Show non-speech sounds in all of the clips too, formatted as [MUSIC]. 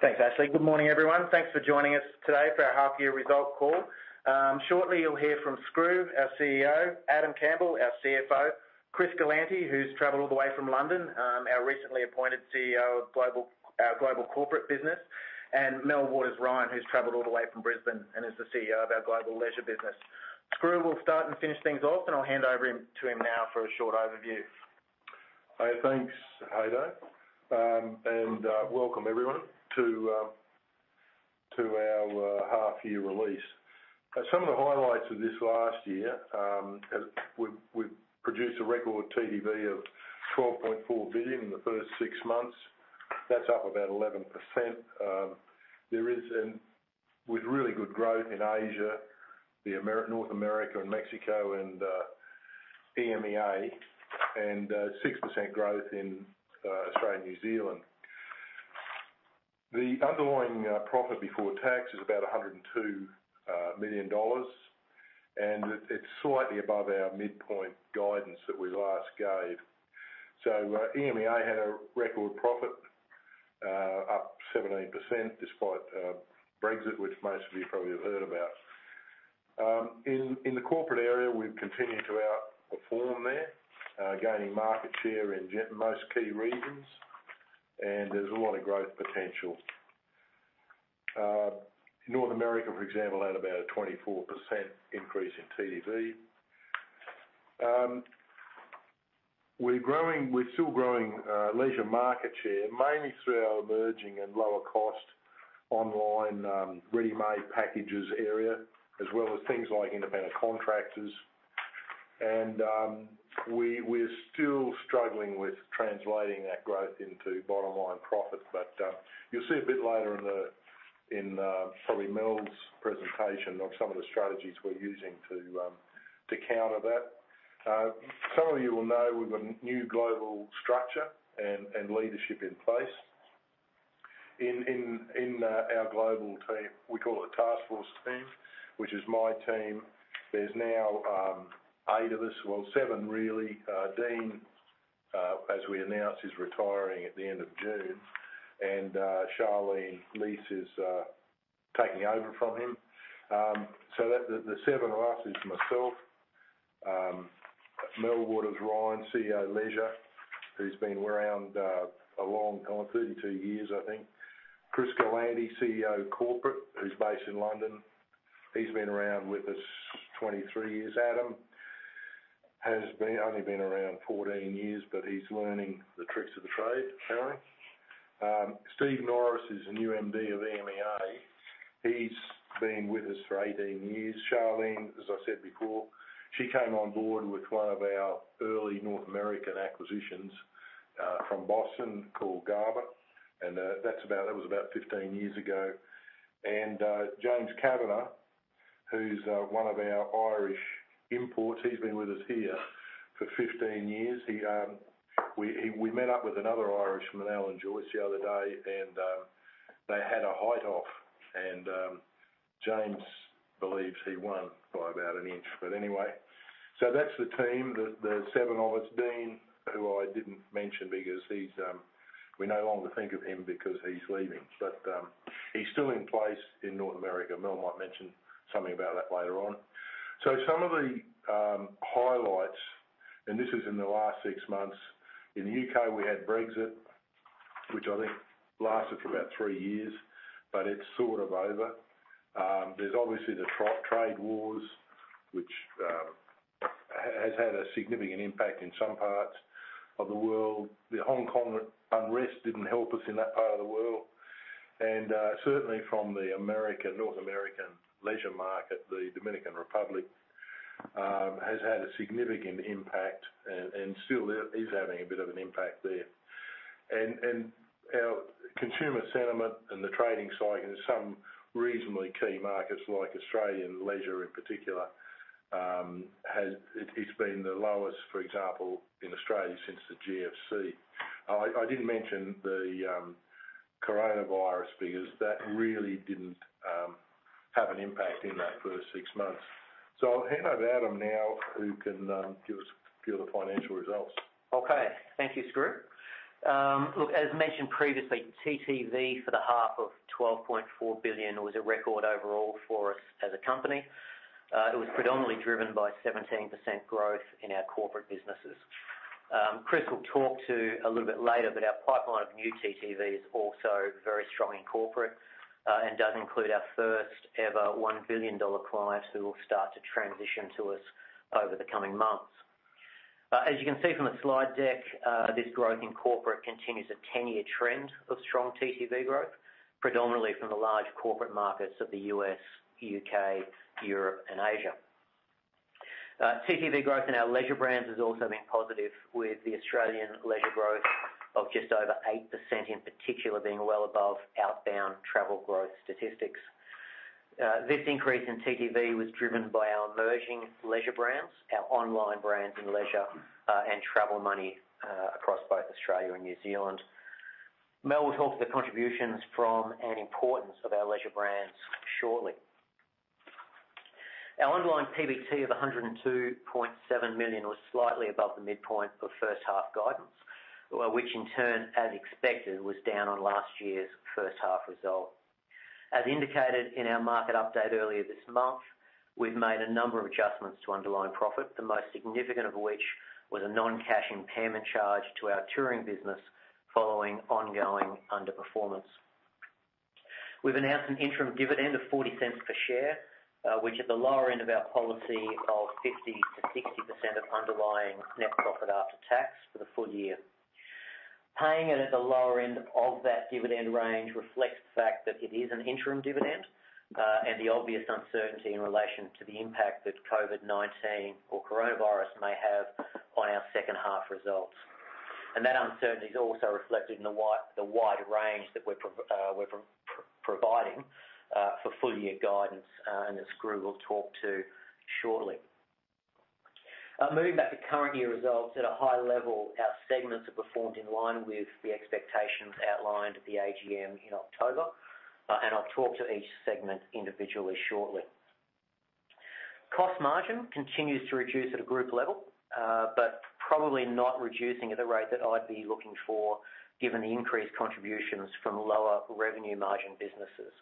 Thanks, Ashley. Good morning, everyone. Thanks for joining us today for our half-year result call. Shortly, you'll hear from Skroo, our CEO, Adam Campbell, our CFO, Chris Galanty, who's traveled all the way from London, our recently appointed CEO of Global Corporate Business, and Mel Waters-Ryan, who's traveled all the way from Brisbane and is the CEO of our Global Leisure Business. Skroo will start and finish things off, and I'll hand over to him now for a short overview. Thanks, Haydn. Welcome, everyone, to our half-year release. Some of the highlights of this last year: we've produced a record TTV of 12.4 billion in the first six months. That's up about 11%. There is, with really good growth in Asia, North America and Mexico, and EMEA, and 6% growth in Australia and New Zealand. The underlying profit before tax is about 102 million dollars, and it's slightly above our midpoint guidance that we last gave. EMEA had a record profit, up 17% despite Brexit, which most of you probably have heard about. In the corporate area, we've continued to outperform there, gaining market share in most key regions, and there's a lot of growth potential. North America, for example, had about a 24% increase in TTV. We're still growing leisure market share, mainly through our emerging and lower-cost online ready-made packages area, as well as things like independent contractors. And we're still struggling with translating that growth into bottom-line profit, but you'll see a bit later in probably Mel's presentation on some of the strategies we're using to counter that. Some of you will know we've got a new global structure and leadership in place. In our global team, we call it a task force team, which is my team. There's now eight of us, well, seven, really. Dean, as we announced, is retiring at the end of June, and Charlene Leiss is taking over from him. So the seven of us is myself, Mel Waters-Ryan, CEO Leisure, who's been around a long time, 32 years, I think. Chris Galanty, CEO Corporate, who's based in London. He's been around with us 23 years. Adam has only been around 14 years, but he's learning the tricks of the trade, apparently. Steve Norris is a new MD of EMEA. He's been with us for 18 years. Charlene, as I said before, she came on board with one of our early North American acquisitions from Boston called Garber, and that was about 15 years ago, and James Kavanagh, who's one of our Irish imports, he's been with us here for 15 years. We met up with another Irishman, Alan Joyce, the other day, and they had a height-off, and James believes he won by about an inch. But anyway, so that's the team. The seven of us, Dean, who I didn't mention because we no longer think of him because he's leaving, but he's still in place in North America. Mel might mention something about that later on. Some of the highlights, and this is in the last six months, in the U.K., we had Brexit, which I think lasted for about three years, but it's sort of over. There's obviously the trade wars, which has had a significant impact in some parts of the world. The Hong Kong unrest didn't help us in that part of the world. And certainly, from the North American leisure market, the Dominican Republic has had a significant impact and still is having a bit of an impact there. And our consumer sentiment and the trading cycle, some reasonably key markets like Australia and leisure in particular, it's been the lowest, for example, in Australia since the GFC. I didn't mention the coronavirus because that really didn't have an impact in that first six months. So I'll hand over to Adam now, who can give us a few of the financial results. Okay. Thank you, Skroo. Look, as mentioned previously, TTV for the half of 12.4 billion was a record overall for us as a company. It was predominantly driven by 17% growth in our corporate businesses. Chris will talk to a little bit later, but our pipeline of new TTV is also very strong in corporate and does include our first-ever 1 billion dollar clients who will start to transition to us over the coming months. As you can see from the slide deck, this growth in corporate continues a 10-year trend of strong TTV growth, predominantly from the large corporate markets of the U.S., U.K., Europe, and Asia. TTV growth in our leisure brands has also been positive, with the Australian leisure growth of just over 8% in particular being well above outbound travel growth statistics. This increase in TTV was driven by our emerging leisure brands, our online brands in leisure and Travel Money across both Australia and New Zealand. Mel will talk to the contributions from and importance of our leisure brands shortly. Our underlying PBT of 102.7 million was slightly above the midpoint of first-half guidance, which in turn, as expected, was down on last year's first-half result. As indicated in our market update earlier this month, we've made a number of adjustments to underlying profit, the most significant of which was a non-cash impairment charge to our touring business following ongoing underperformance. We've announced an interim dividend of 0.40 per share, which at the lower end of our policy of 50%-60% of underlying net profit after tax for the full year. Paying it at the lower end of that dividend range reflects the fact that it is an interim dividend and the obvious uncertainty in relation to the impact that COVID-19 or coronavirus may have on our second-half results, and that uncertainty is also reflected in the wide range that we're providing for full-year guidance, and Skroo will talk to shortly. Moving back to current year results, at a high level, our segments have performed in line with the expectations outlined at the AGM in October, and I'll talk to each segment individually shortly. Cost margin continues to reduce at a group level, but probably not reducing at the rate that I'd be looking for, given the increased contributions from lower revenue margin businesses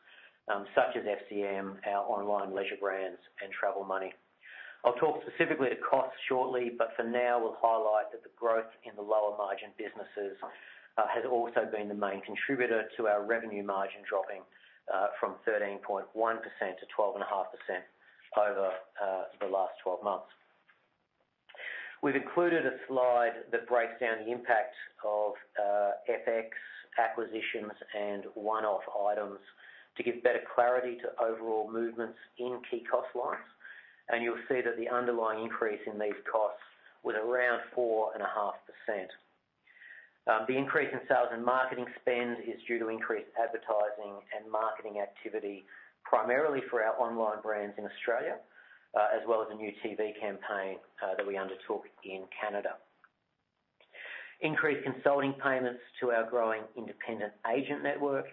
such as FCM, our online leisure brands, and Travel Money. I'll talk specifically to costs shortly, but for now, we'll highlight that the growth in the lower margin businesses has also been the main contributor to our revenue margin dropping from 13.1% to 12.5% over the last 12 months. We've included a slide that breaks down the impact of FX acquisitions and one-off items to give better clarity to overall movements in key cost lines, and you'll see that the underlying increase in these costs was around 4.5%. The increase in sales and marketing spend is due to increased advertising and marketing activity, primarily for our online brands in Australia, as well as a new TV campaign that we undertook in Canada. Increased consulting payments to our growing independent agent network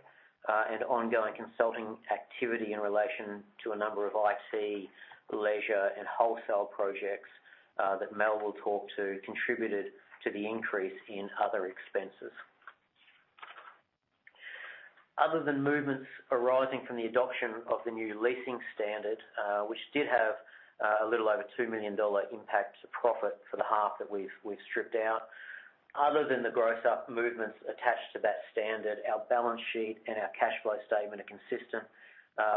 and ongoing consulting activity in relation to a number of IT, leisure, and wholesale projects that Mel will talk to contributed to the increase in other expenses. Other than movements arising from the adoption of the new leasing standard, which did have a little over 2 million dollar impact to profit for the half that we've stripped out, other than the gross-up movements attached to that standard, our balance sheet and our cash flow statement are consistent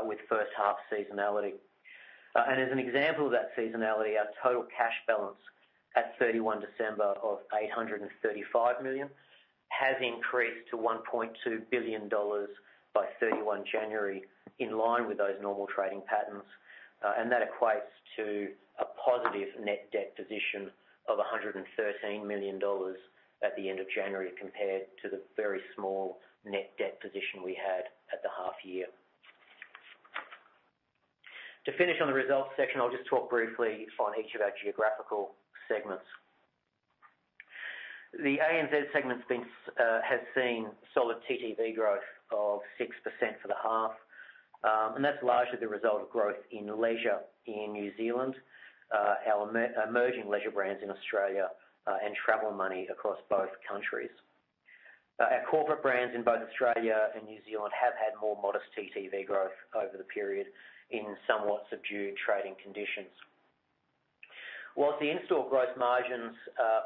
with first-half seasonality. And as an example of that seasonality, our total cash balance at 31 December of 835 million has increased to 1.2 billion dollars by 31 January, in line with those normal trading patterns, and that equates to a positive net debt position of 113 million dollars at the end of January compared to the very small net debt position we had at the half-year. To finish on the results section, I'll just talk briefly on each of our geographical segments. The ANZ segment has seen solid TTV growth of 6% for the half, and that's largely the result of growth in leisure in New Zealand, our emerging leisure brands in Australia, and travel money across both countries. Our corporate brands in both Australia and New Zealand have had more modest TTV growth over the period in somewhat subdued trading conditions. Whilst the in-store gross margins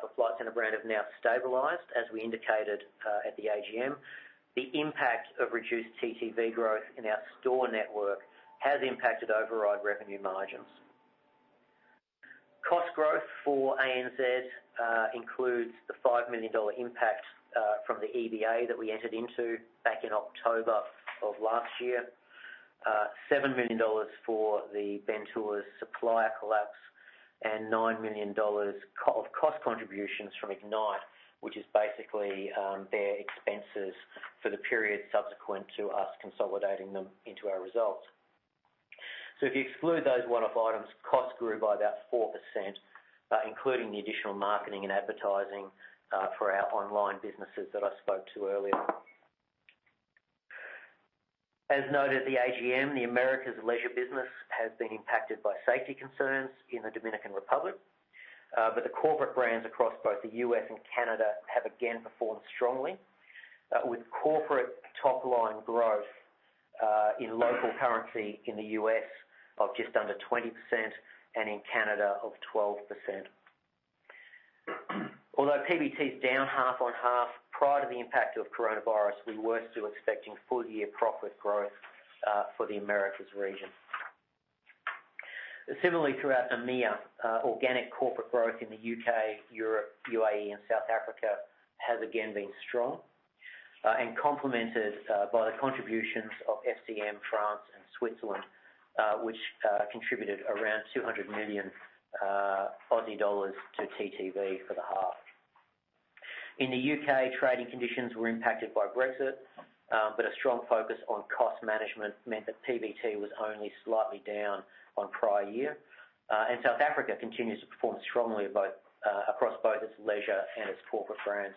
for Flight Centre brand have now stabilized, as we indicated at the AGM, the impact of reduced TTV growth in our store network has impacted override revenue margins. Cost growth for ANZ includes the 5 million dollar impact from the EBA that we entered into back in October of last year, 7 million dollars for the Bentours supplier collapse, and 9 million dollars of cost contributions from Ignite, which is basically their expenses for the period subsequent to us consolidating them into our results. So if you exclude those one-off items, costs grew by about 4%, including the additional marketing and advertising for our online businesses that I spoke to earlier. As noted at the AGM, the Americas leisure business has been impacted by safety concerns in the Dominican Republic, but the corporate brands across both the U.S. and Canada have again performed strongly, with corporate top-line growth in local currency in the U.S. of just under 20% and in Canada of 12%. Although PBT is down half on half, prior to the impact of coronavirus, we were still expecting full-year profit growth for the Americas region. Similarly, throughout EMEA, organic corporate growth in the U.K., Europe, UAE, and South Africa has again been strong and complemented by the contributions of FCM France and Switzerland, which contributed around 200 million Aussie dollars to TTV for the half. In the U.K., trading conditions were impacted by Brexit, but a strong focus on cost management meant that PBT was only slightly down on prior year, and South Africa continues to perform strongly across both its leisure and its corporate brands.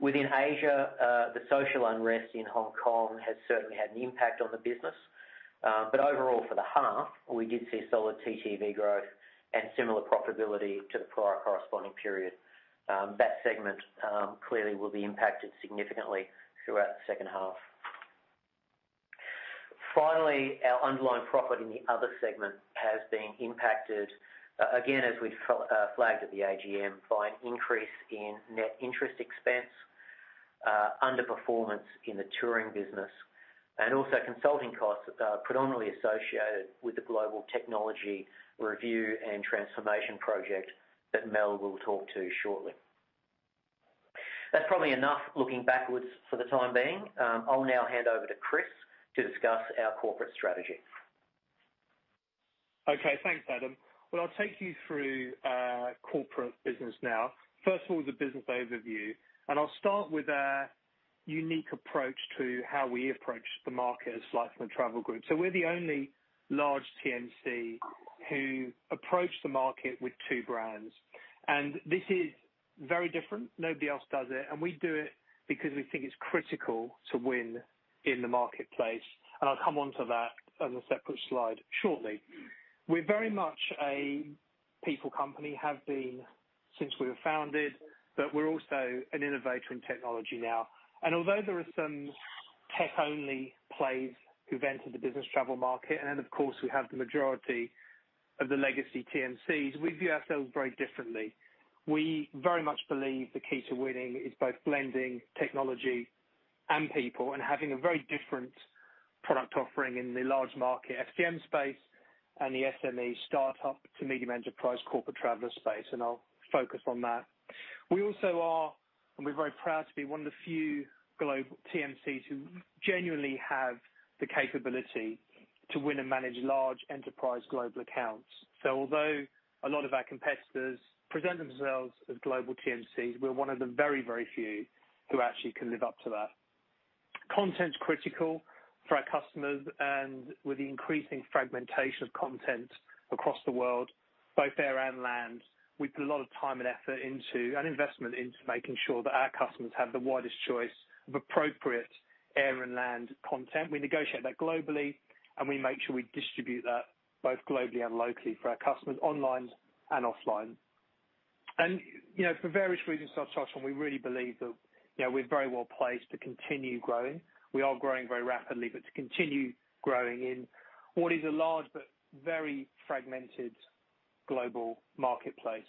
Within Asia, the social unrest in Hong Kong has certainly had an impact on the business, but overall, for the half, we did see solid TTV growth and similar profitability to the prior corresponding period. That segment clearly will be impacted significantly throughout the second half. Finally, our underlying profit in the other segment has been impacted, again, as we flagged at the AGM, by an increase in net interest expense, underperformance in the touring business, and also consulting costs predominantly associated with the global technology review and transformation project that Mel will talk to shortly. That's probably enough looking backwards for the time being. I'll now hand over to Chris to discuss our corporate strategy. Okay. Thanks, Adam. I'll take you through corporate business now. First of all, the business overview. I'll start with our unique approach to how we approach the market at Flight Centre Travel Group. We're the only large TMC who approach the market with two brands, and this is very different. Nobody else does it, and we do it because we think it's critical to win in the marketplace. I'll come on to that on a separate slide shortly. We're very much a people company. We have been since we were founded, but we're also an innovator in technology now. Although there are some tech-only players who've entered the business travel market, and of course, we have the majority of the legacy TMCs, we view ourselves very differently. We very much believe the key to winning is both blending technology and people and having a very different product offering in the large market FCM space and the SME startup to medium enterprise corporate traveler space, and I'll focus on that. We also are, and we're very proud to be one of the few global TMCs who genuinely have the capability to win and manage large enterprise global accounts. So although a lot of our competitors present themselves as global TMCs, we're one of the very, very few who actually can live up to that. Content's critical for our customers, and with the increasing fragmentation of content across the world, both air and land, we put a lot of time and effort into and investment into making sure that our customers have the widest choice of appropriate air and land content. We negotiate that globally, and we make sure we distribute that both globally and locally for our customers online and offline. And for various reasons to our charts, we really believe that we're very well placed to continue growing. We are growing very rapidly, but to continue growing in what is a large but very fragmented global marketplace.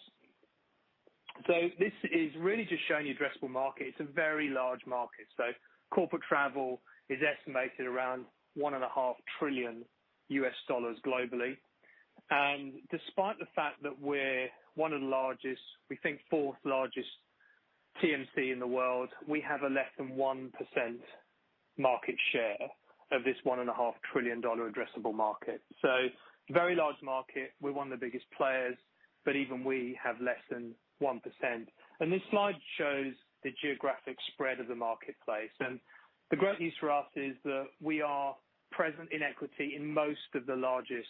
So this is really just showing you an addressable market. It's a very large market. So corporate travel is estimated around $1.5 trillion globally. And despite the fact that we're one of the largest, we think fourth largest TMC in the world, we have a less than 1% market share of this $1.5 trillion addressable market. So very large market. We're one of the biggest players, but even we have less than 1%. And this slide shows the geographic spread of the marketplace. And the great news for us is that we are present in equity in most of the largest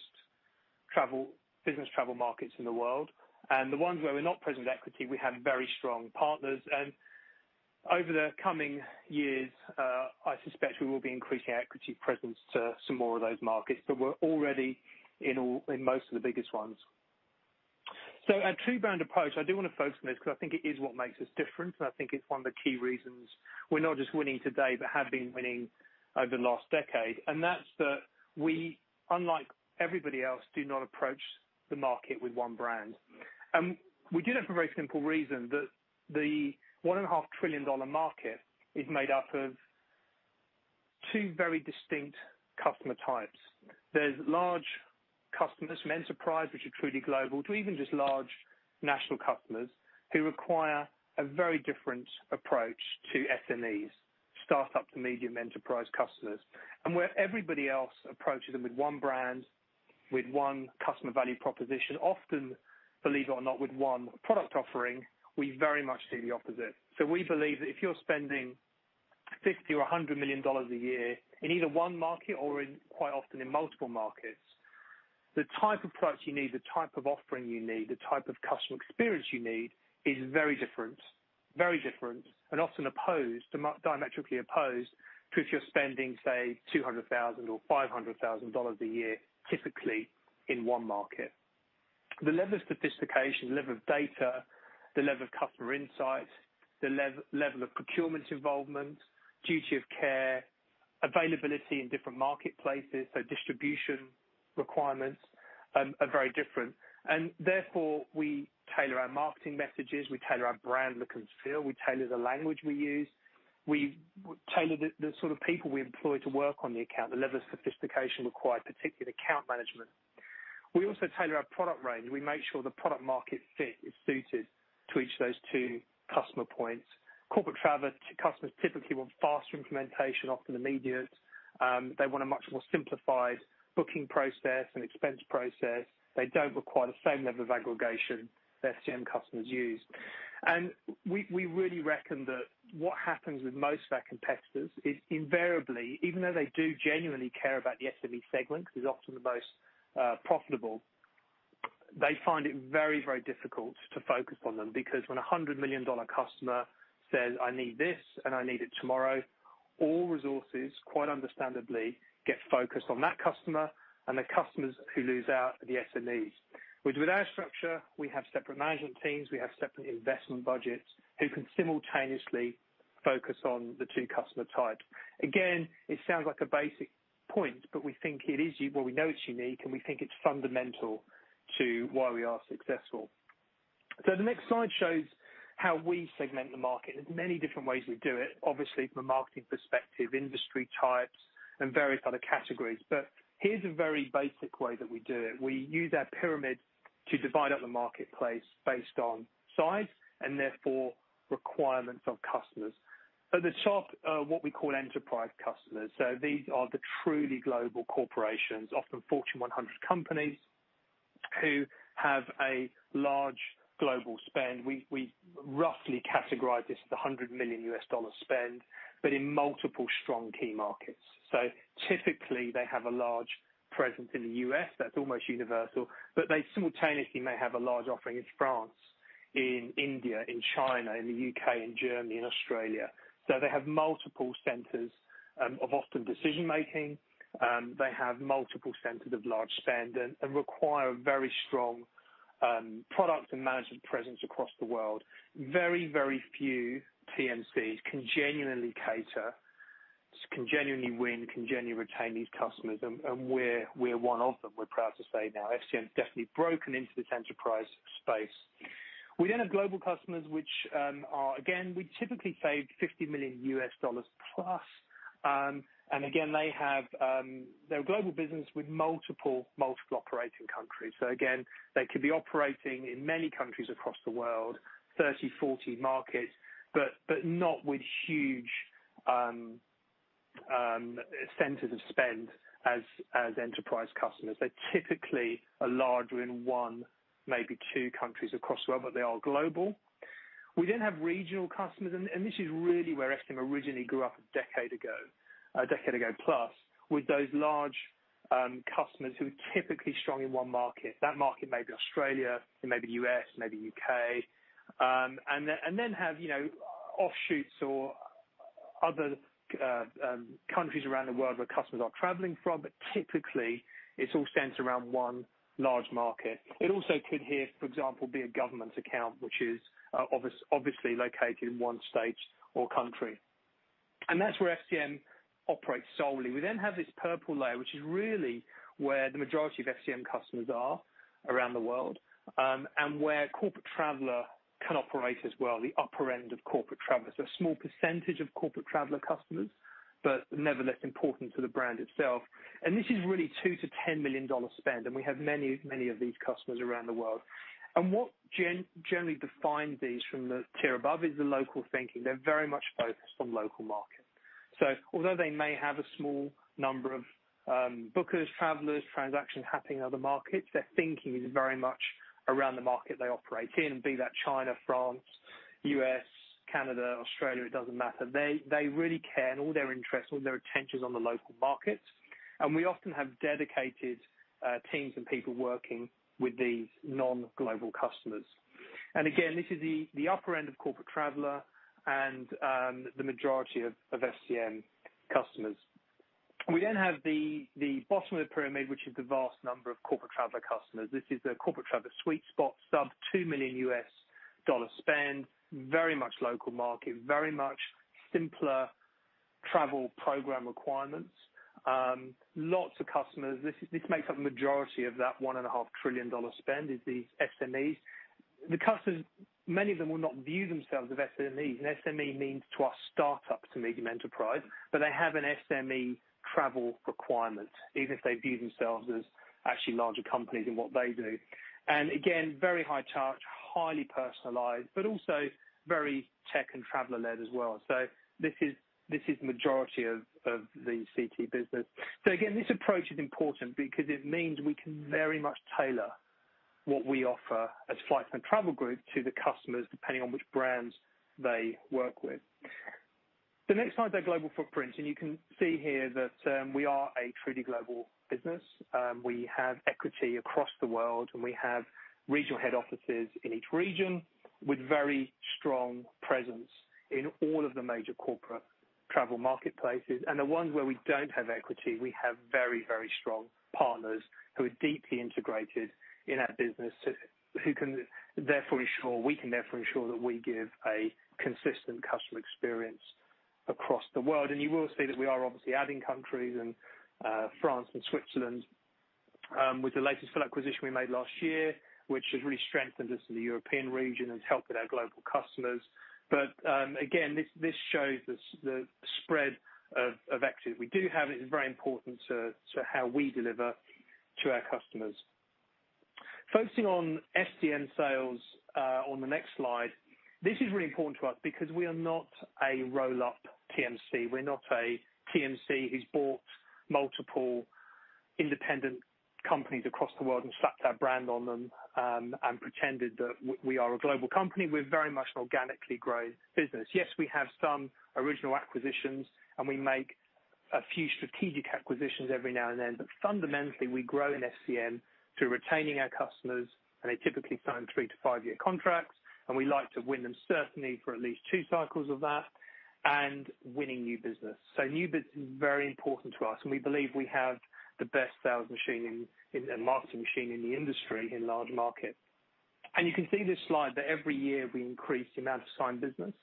business travel markets in the world. And the ones where we're not present with equity, we have very strong partners. And over the coming years, I suspect we will be increasing our equity presence to some more of those markets, but we're already in most of the biggest ones. So our two-brand approach, I do want to focus on this because I think it is what makes us different, and I think it's one of the key reasons we're not just winning today but have been winning over the last decade. And that's that we, unlike everybody else, do not approach the market with one brand. And we do that for a very simple reason that the $1.5 trillion market is made up of two very distinct customer types. There's large customers from enterprise, which are truly global, to even just large national customers who require a very different approach to SMEs, startup to medium enterprise customers. And where everybody else approaches them with one brand, with one customer value proposition, often, believe it or not, with one product offering, we very much see the opposite. So we believe that if you're spending $50 million or $100 million a year in either one market or quite often in multiple markets, the type of product you need, the type of offering you need, the type of customer experience you need is very different, very different and often diametrically opposed to if you're spending, say, $200,000 or $500,000 a year, typically in one market. The level of sophistication, the level of data, the level of customer insight, the level of procurement involvement, duty of care, availability in different marketplaces, so distribution requirements are very different, and therefore, we tailor our marketing messages. We tailor our brand look and feel. We tailor the language we use. We tailor the sort of people we employ to work on the account, the level of sophistication required, particularly in account management. We also tailor our product range. We make sure the product market fit is suited to each of those two customer points. Corporate travel customers typically want faster implementation, often immediate. They want a much more simplified booking process and expense process. They don't require the same level of aggregation that FCM customers use. We really reckon that what happens with most of our competitors is invariably, even though they do genuinely care about the SME segment, because it's often the most profitable, they find it very, very difficult to focus on them because when a $100 million customer says, "I need this and I need it tomorrow," all resources, quite understandably, get focused on that customer and the customers who lose out are the SMEs. With our structure, we have separate management teams. We have separate investment budgets who can simultaneously focus on the two customer types. Again, it sounds like a basic point, but we think it is well, we know it's unique, and we think it's fundamental to why we are successful. The next slide shows how we segment the market. There's many different ways we do it, obviously, from a marketing perspective, industry types, and various other categories. But here's a very basic way that we do it. We use our pyramid to divide up the marketplace based on size and therefore requirements of customers. At the top are what we call enterprise customers. So these are the truly global corporations, often Fortune 100 companies, who have a large global spend. We roughly categorize this as a $100 million spend, but in multiple strong key markets. So typically, they have a large presence in the U.S. That's almost universal. But they simultaneously may have a large offering in France, in India, in China, in the U.K., in Germany, in Australia. So they have multiple centers of often decision-making. They have multiple centers of large spend and require a very strong product and management presence across the world. Very, very few TMCs can genuinely cater, can genuinely win, can genuinely retain these customers, and we're one of them. We're proud to say now FCM's definitely broken into this enterprise space. We then have global customers, which are, again, we typically say $50 million USD plus, and again, they have their global business with multiple operating countries, so again, they could be operating in many countries across the world, 30, 40 markets, but not with huge centers of spend as enterprise customers. They're typically larger in one, maybe two countries across the world, but they are global. We then have regional customers, and this is really where FCM originally grew up a decade ago, a decade ago plus, with those large customers who are typically strong in one market. That market may be Australia, it may be the U.S., maybe the U.K., and then have offshoots or other countries around the world where customers are traveling from, but typically, it's all centered around one large market. It also could here, for example, be a government account, which is obviously located in one state or country. And that's where FCM operates solely. We then have this purple layer, which is really where the majority of FCM customers are around the world and where Corporate Traveller can operate as well, the upper end of Corporate Traveller's. A small percentage of Corporate Traveller customers, but nevertheless important to the brand itself. And this is really $2 million-$10 million spend, and we have many, many of these customers around the world. And what generally defines these from the tier above is the local thinking. They're very much focused on local markets. So although they may have a small number of bookers, travelers, transactions happening in other markets, their thinking is very much around the market they operate in, be that China, France, U.S., Canada, Australia, it doesn't matter. They really care and all their interests, all their attention is on the local markets. And we often have dedicated teams and people working with these non-global customers. And again, this is the upper end of corporate traveler and the majority of FCM customers. We then have the bottom of the pyramid, which is the vast number of corporate traveler customers. This is the corporate traveler sweet spot, sub-$2 million spend, very much local market, very much simpler travel program requirements. Lots of customers. This makes up the majority of that $1.5 trillion spend is these SMEs. The customers, many of them will not view themselves as SMEs. An SME means to us startup to medium enterprise, but they have an SME travel requirement, even if they view themselves as actually larger companies in what they do. And again, very high charge, highly personalized, but also very tech and traveler-led as well. So this is the majority of the CT business. So again, this approach is important because it means we can very much tailor what we offer as Flight Centre Travel Group to the customers depending on which brands they work with. The next slide's our global footprint, and you can see here that we are a truly global business. We have equity across the world, and we have regional head offices in each region with very strong presence in all of the major corporate travel marketplaces. And the ones where we don't have equity, we have very, very strong partners who are deeply integrated in our business who can therefore ensure that we give a consistent customer experience across the world. And you will see that we are obviously adding countries and France and Switzerland with the latest full acquisition we made last year, which has really strengthened us in the European region and has helped with our global customers. But again, this shows the spread of equity that we do have, and it's very important to how we deliver to our customers. Focusing on FCM sales on the next slide, this is really important to us because we are not a roll-up TMC. We're not a TMC who's bought multiple independent companies across the world and slapped our brand on them and pretended that we are a global company. We're very much an organically grown business. Yes, we have some original acquisitions, and we make a few strategic acquisitions every now and then, but fundamentally, we grow in FCM through retaining our customers, and they typically sign three to five-year contracts, and we like to win them certainly for at least two cycles of that and winning new business, so new business is very important to us, and we believe we have the best sales machine and marketing machine in the industry in large markets, and you can see this slide that every year we increase the amount of signed business.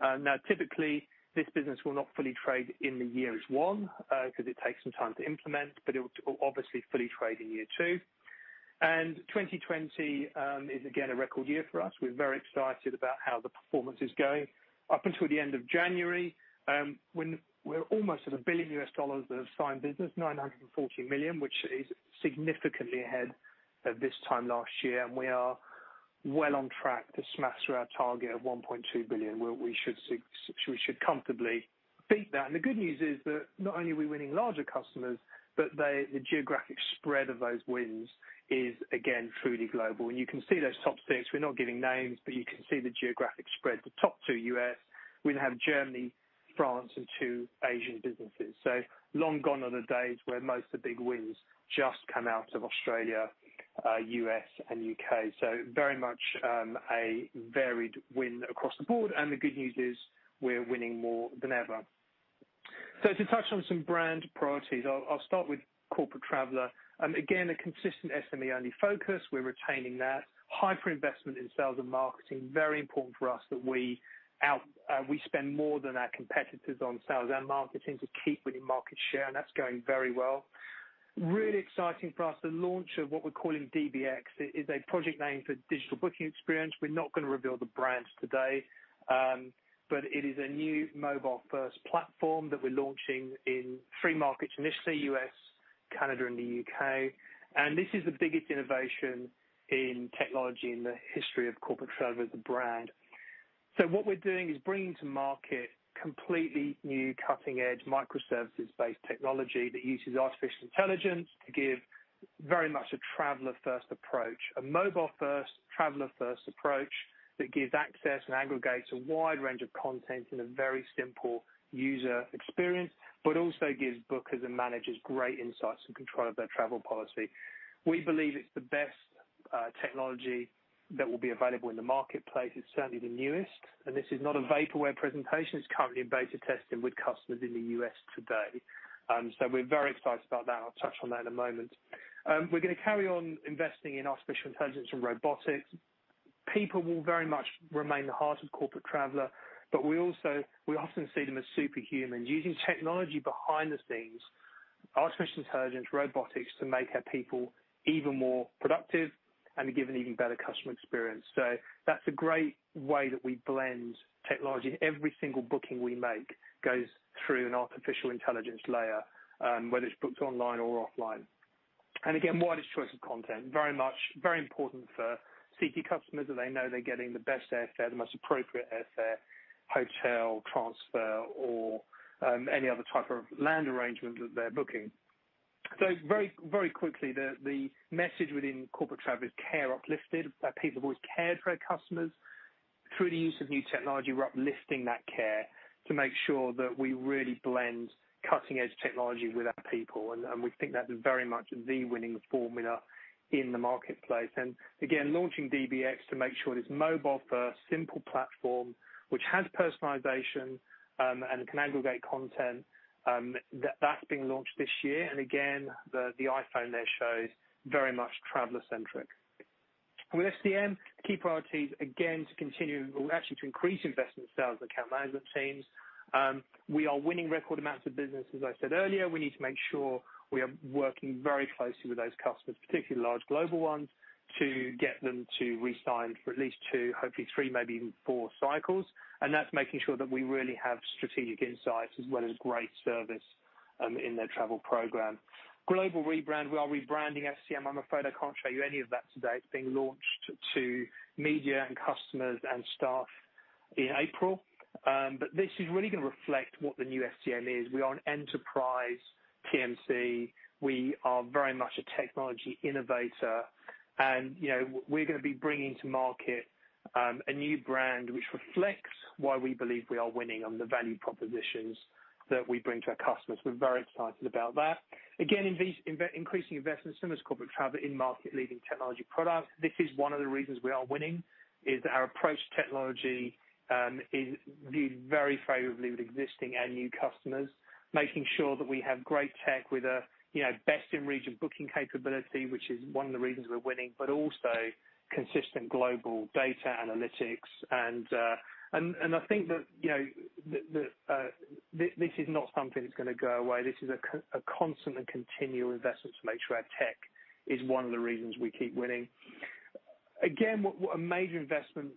Now, typically, this business will not fully trade in the year one because it takes some time to implement, but it will obviously fully trade in year two, and 2020 is, again, a record year for us. We're very excited about how the performance is going. Up until the end of January, we're almost at $1 billion of signed business, $940 million, which is significantly ahead of this time last year. And we are well on track to smash through our target of $1.2 billion. We should comfortably beat that. And the good news is that not only are we winning larger customers, but the geographic spread of those wins is, again, truly global. And you can see those top six. We're not giving names, but you can see the geographic spread. The top two U.S., we then have Germany, France, and two Asian businesses. So long gone are the days where most of the big wins just come out of Australia, U.S., and U.K. So very much a varied win across the board. And the good news is we're winning more than ever. To touch on some brand priorities, I'll start with Corporate Traveller. Again, a consistent SME-only focus. We're retaining that. Hyper-investment in sales and marketing. Very important for us that we spend more than our competitors on sales and marketing to keep winning market share, and that's going very well. Really exciting for us, the launch of what we're calling DBX. It's a project name for digital booking experience. We're not going to reveal the brand today, but it is a new mobile-first platform that we're launching in three markets initially: U.S., Canada, and the U.K. And this is the biggest innovation in technology in the history of Corporate Traveller, the brand. So what we're doing is bringing to market completely new cutting-edge microservices-based technology that uses artificial intelligence to give very much a traveler-first approach, a mobile-first, traveler-first approach that gives access and aggregates a wide range of content in a very simple user experience, but also gives bookers and managers great insights and control of their travel policy. We believe it's the best technology that will be available in the marketplace. It's certainly the newest. And this is not a vaporware presentation. It's currently in beta testing with customers in the U.S. today. So we're very excited about that. I'll touch on that in a moment. We're going to carry on investing in artificial intelligence and robotics. People will very much remain the heart of Corporate Traveller, but we also often see them as superhumans using technology behind the scenes, artificial intelligence, robotics to make our people even more productive and to give an even better customer experience. So that's a great way that we blend technology. Every single booking we make goes through an artificial intelligence layer, whether it's booked online or offline. And again, widest choice of content. Very important for CT customers that they know they're getting the best airfare, the most appropriate airfare, hotel, transfer, or any other type of land arrangement that they're booking. So very quickly, the message within corporate travel is care uplifted. Our people have always cared for our customers. Through the use of new technology, we're uplifting that care to make sure that we really blend cutting-edge technology with our people. We think that's very much the winning formula in the marketplace. And again, launching DBX to make sure this mobile-first, simple platform, which has personalization and can aggregate content, that's being launched this year. And again, the iPhone there shows very much traveler-centric. With FCM, key priorities, again, to continue or actually to increase investment sales and account management teams. We are winning record amounts of business, as I said earlier. We need to make sure we are working very closely with those customers, particularly large global ones, to get them to re-sign for at least two, hopefully three, maybe even four cycles. And that's making sure that we really have strategic insights as well as great service in their travel program. Global rebrand. We are rebranding FCM. I'm afraid I can't show you any of that today. It's being launched to media and customers and staff in April. But this is really going to reflect what the new FCM is. We are an enterprise TMC. We are very much a technology innovator. And we're going to be bringing to market a new brand which reflects why we believe we are winning on the value propositions that we bring to our customers. We're very excited about that. Again, increasing investment similar to Corporate Traveller in market-leading technology products. This is one of the reasons we are winning, is that our approach to technology is viewed very favorably with existing and new customers, making sure that we have great tech with a best-in-region booking capability, which is one of the reasons we're winning, but also consistent global data analytics. And I think that this is not something that's going to go away. This is a constant and continual investment to make sure our tech is one of the reasons we keep winning. Again, a major investment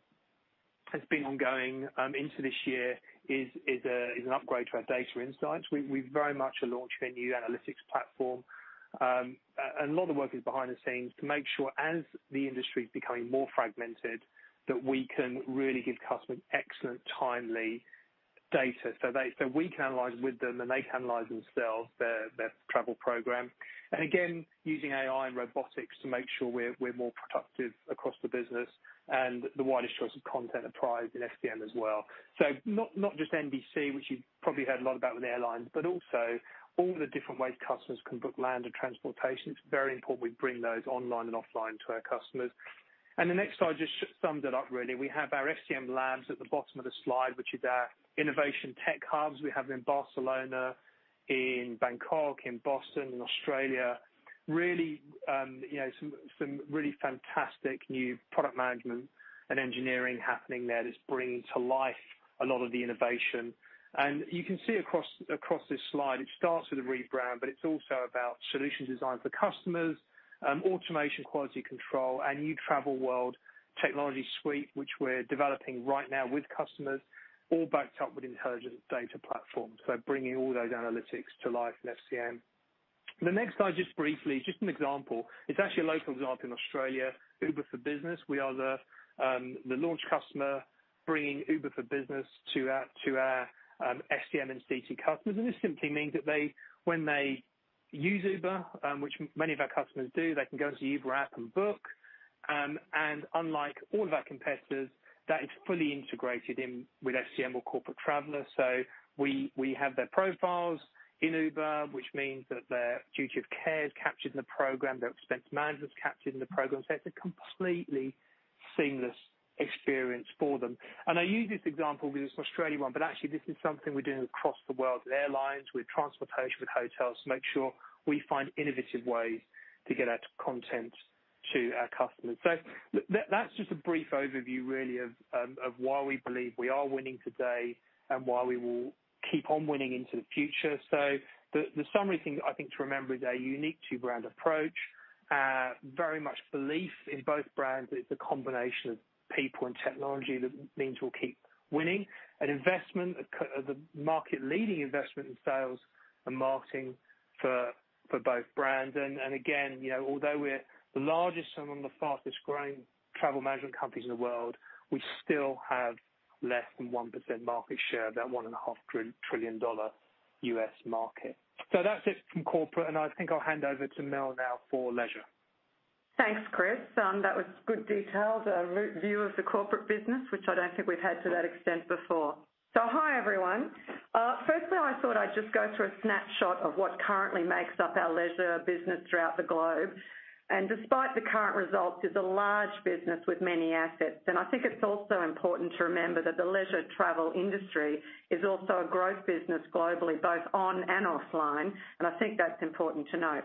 has been ongoing into this year, is an upgrade to our data insights. We very much are launching a new analytics platform. A lot of work is behind the scenes to make sure, as the industry is becoming more fragmented, that we can really give customers excellent timely data so that we can analyze with them and they can analyze themselves their travel program. Again, using AI and robotics to make sure we're more productive across the business and the widest choice of content applies in FCM as well. Not just NDC, which you've probably heard a lot about with airlines, but also all the different ways customers can book land and transportation. It's very important we bring those online and offline to our customers. And the next slide just sums it up, really. We have our FCM labs at the bottom of the slide, which is our innovation tech hubs. We have them in Barcelona, in Bangkok, in Boston, in Australia. Really some really fantastic new product management and engineering happening there that's bringing to life a lot of the innovation. And you can see across this slide, it starts with a rebrand, but it's also about solutions designed for customers, automation, quality control, and new travel world technology suite, which we're developing right now with customers, all backed up with intelligent data platforms. So bringing all those analytics to life in FCM. The next slide just briefly, just an example. It's actually a local example in Australia, Uber for Business. We are the launch customer bringing Uber for Business to our FCM and CT customers. And this simply means that when they use Uber, which many of our customers do, they can go into the Uber app and book. And unlike all of our competitors, that is fully integrated with FCM or Corporate Traveller. So we have their profiles in Uber, which means that their duty of care is captured in the program. Their expense management is captured in the program. So it's a completely seamless experience for them. And I use this example because it's an Australian one, but actually this is something we're doing across the world with airlines, with transportation, with hotels, to make sure we find innovative ways to get our content to our customers. So that's just a brief overview, really, of why we believe we are winning today and why we will keep on winning into the future. So the summary thing I think to remember is our unique two-brand approach, very much belief in both brands that it's a combination of people and technology that means we'll keep winning, and investment, the market-leading investment in sales and marketing for both brands. And again, although we're the largest and one of the fastest-growing travel management companies in the world, we still have less than 1% market share of that $1.5 trillion U.S. market. So that's it from corporate. And I think I'll hand over to Mel now for leisure. Thanks, Chris. That was good details, a view of the corporate business, which I don't think we've had to that extent before. So hi, everyone. Firstly, I thought I'd just go through a snapshot of what currently makes up our leisure business throughout the globe. And despite the current results, it's a large business with many assets. And I think it's also important to remember that the leisure travel industry is also a growth business globally, both on and offline. And I think that's important to note.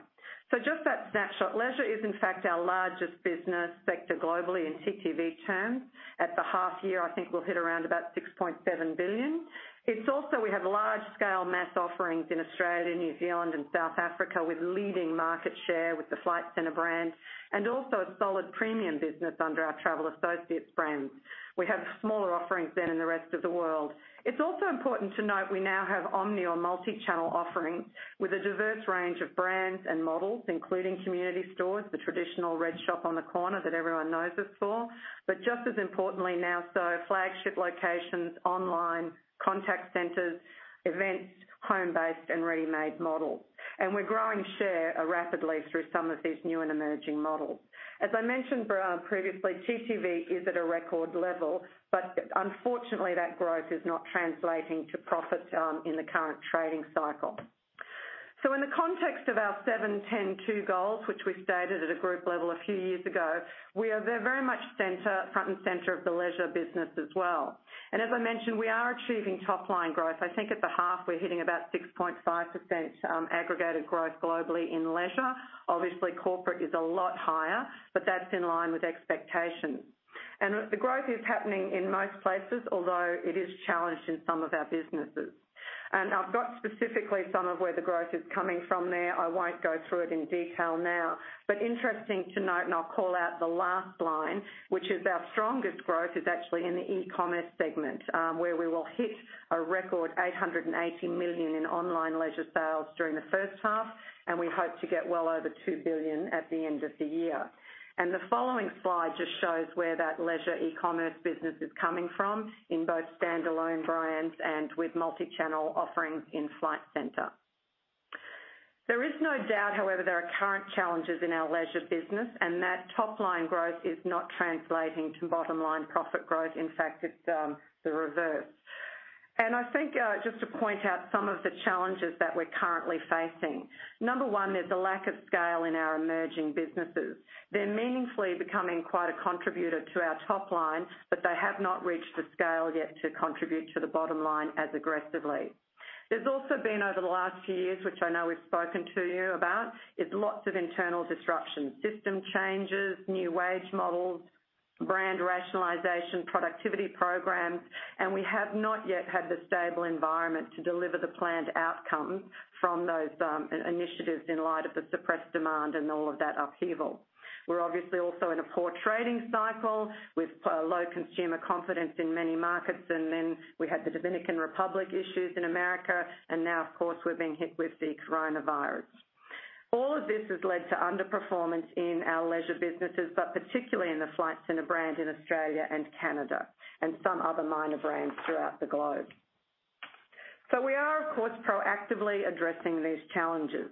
So just that snapshot. Leisure is, in fact, our largest business sector globally in TTV terms. At the half year, I think we'll hit around about 6.7 billion. We have large-scale mass offerings in Australia, New Zealand, and South Africa with leading market share with the Flight Centre brand and also a solid premium business under our Travel Associates brand. We have smaller offerings than in the rest of the world. It's also important to note we now have omni or multichannel offerings with a diverse range of brands and models, including community stores, the traditional red shop on the corner that everyone knows us for, but just as importantly now, so flagship locations, online contact centers, events, home-based, and ready-made models, and we're growing share rapidly through some of these new and emerging models. As I mentioned previously, TTV is at a record level, but unfortunately, that growth is not translating to profit in the current trading cycle, so in the context of our 7-10-2 goals, which we stated at a group level a few years ago, we are very much front and center of the leisure business as well, and as I mentioned, we are achieving top-line growth. I think at the half, we're hitting about 6.5% aggregated growth globally in leisure. Obviously, corporate is a lot higher, but that's in line with expectations, and the growth is happening in most places, although it is challenged in some of our businesses. And I've got specifically some of where the growth is coming from there. I won't go through it in detail now, but interesting to note, and I'll call out the last line, which is our strongest growth is actually in the e-commerce segment, where we will hit a record 880 million in online leisure sales during the first half, and we hope to get well over 2 billion at the end of the year, and the following slide just shows where that leisure e-commerce business is coming from in both standalone brands and with multichannel offerings in Flight Centre. There is no doubt, however, there are current challenges in our leisure business, and that top-line growth is not translating to bottom-line profit growth. In fact, it's the reverse, and I think just to point out some of the challenges that we're currently facing. Number one, there's a lack of scale in our emerging businesses. They're meaningfully becoming quite a contributor to our top line, but they have not reached the scale yet to contribute to the bottom line as aggressively. There's also been, over the last few years, which I know we've spoken to you about, lots of internal disruptions, system changes, new wage models, brand rationalization, productivity programs, and we have not yet had the stable environment to deliver the planned outcomes from those initiatives in light of the suppressed demand and all of that upheaval. We're obviously also in a poor trading cycle with low consumer confidence in many markets, and then we had the Dominican Republic issues in America, and now, of course, we're being hit with the coronavirus. All of this has led to underperformance in our leisure businesses, but particularly in the Flight Centre brand in Australia and Canada and some other minor brands throughout the globe. So we are, of course, proactively addressing these challenges.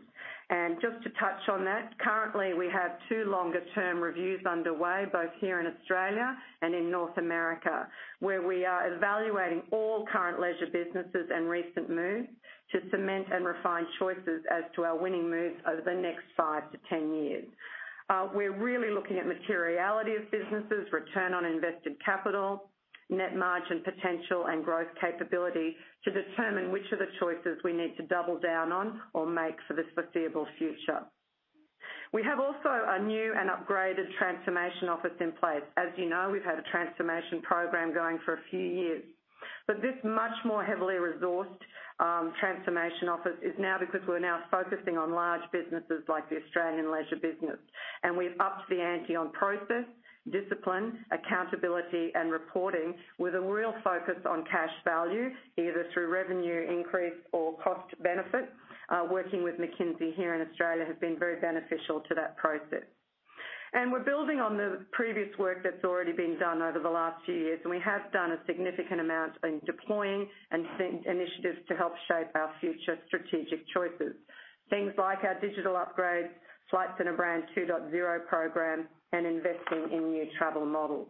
And just to touch on that, currently, we have two longer-term reviews underway, both here in Australia and in North America, where we are evaluating all current leisure businesses and recent moves to cement and refine choices as to our winning moves over the next five to 10 years. We're really looking at materiality of businesses, return on invested capital, net margin potential, and growth capability to determine which of the choices we need to double down on or make for the foreseeable future. We have also a new and upgraded transformation office in place. As you know, we've had a transformation program going for a few years, but this much more heavily resourced transformation office is now because we're now focusing on large businesses like the Australian leisure business, and we've upped the ante on process, discipline, accountability, and reporting with a real focus on cash value, either through revenue increase or cost benefit. Working with McKinsey here in Australia has been very beneficial to that process, and we're building on the previous work that's already been done over the last few years. We have done a significant amount in deploying initiatives to help shape our future strategic choices, things like our digital upgrades, Flight Centre Brand 2.0 program, and investing in new travel models.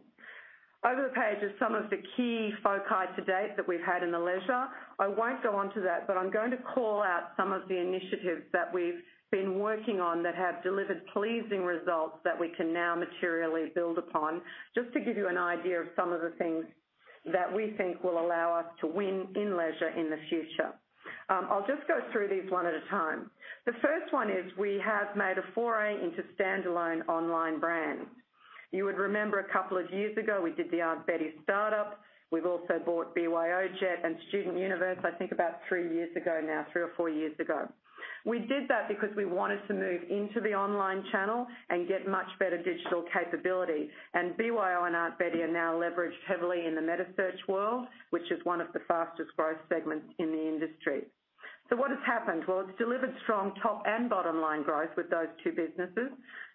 Over the page are some of the key foci to date that we've had in the leisure. I won't go on to that, but I'm going to call out some of the initiatives that we've been working on that have delivered pleasing results that we can now materially build upon, just to give you an idea of some of the things that we think will allow us to win in leisure in the future. I'll just go through these one at a time. The first one is we have made a foray into standalone online brands. You would remember a couple of years ago, we did the Aunt Betty startup. We've also bought BYOjet and StudentUniverse, I think about three years ago now, three or four years ago. We did that because we wanted to move into the online channel and get much better digital capability. And BYO and Aunt Betty are now leveraged heavily in the metasearch world, which is one of the fastest growth segments in the industry. So what has happened? Well, it's delivered strong top and bottom line growth with those two businesses,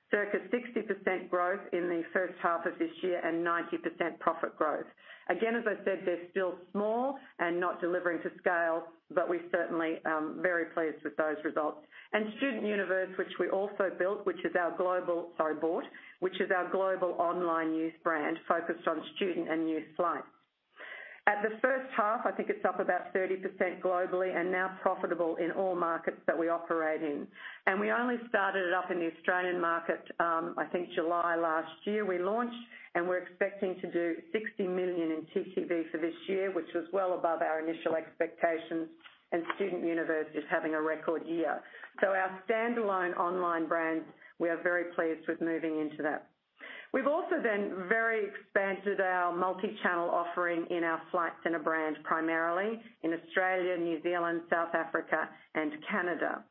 circa 60% growth in the first half of this year and 90% profit growth. Again, as I said, they're still small and not delivering to scale, but we're certainly very pleased with those results. And StudentUniverse, which we also built, which is our global sorry, bought, which is our global online youth brand focused on student and youth flights. In the first half, I think it's up about 30% globally and now profitable in all markets that we operate in, and we only started it up in the Australian market, I think, July last year. We launched, and we're expecting to do 60 million in TTV for this year, which was well above our initial expectations, and StudentUniverse is having a record year, so our standalone online brand, we are very pleased with moving into that. We've also then very expanded our multichannel offering in our Flight Centre brand, primarily in Australia, New Zealand, South Africa, and Canada.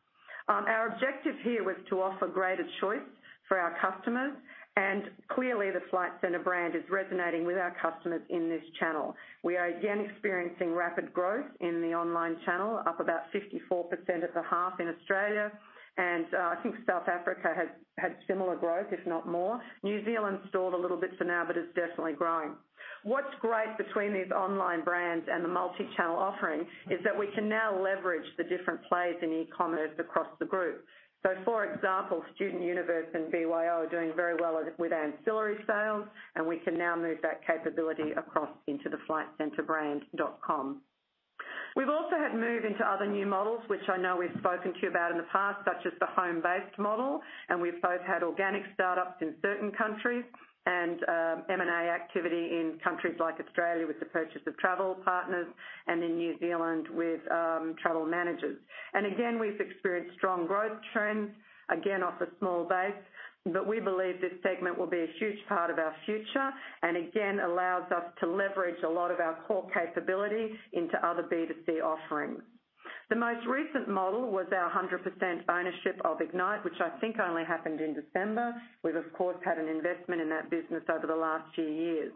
Our objective here was to offer greater choice for our customers, and clearly, the Flight Centre brand is resonating with our customers in this channel. We are again experiencing rapid growth in the online channel, up about 54% at the half in Australia. And I think South Africa has had similar growth, if not more. New Zealand stalled a little bit for now, but it's definitely growing. What's great between these online brands and the multichannel offering is that we can now leverage the different plays in e-commerce across the group. So, for example, StudentUniverse and BYO are doing very well with ancillary sales, and we can now move that capability across into the Flight Centre brand.com. We've also had a move into other new models, which I know we've spoken to about in the past, such as the home-based model. And we've both had organic startups in certain countries and M&A activity in countries like Australia with the purchase of Travel Partners and in New Zealand with Travel Managers. And again, we've experienced strong growth trends, again, off a small base, but we believe this segment will be a huge part of our future and again allows us to leverage a lot of our core capability into other B2C offerings. The most recent model was our 100% ownership of Ignite, which I think only happened in December. We've, of course, had an investment in that business over the last few years.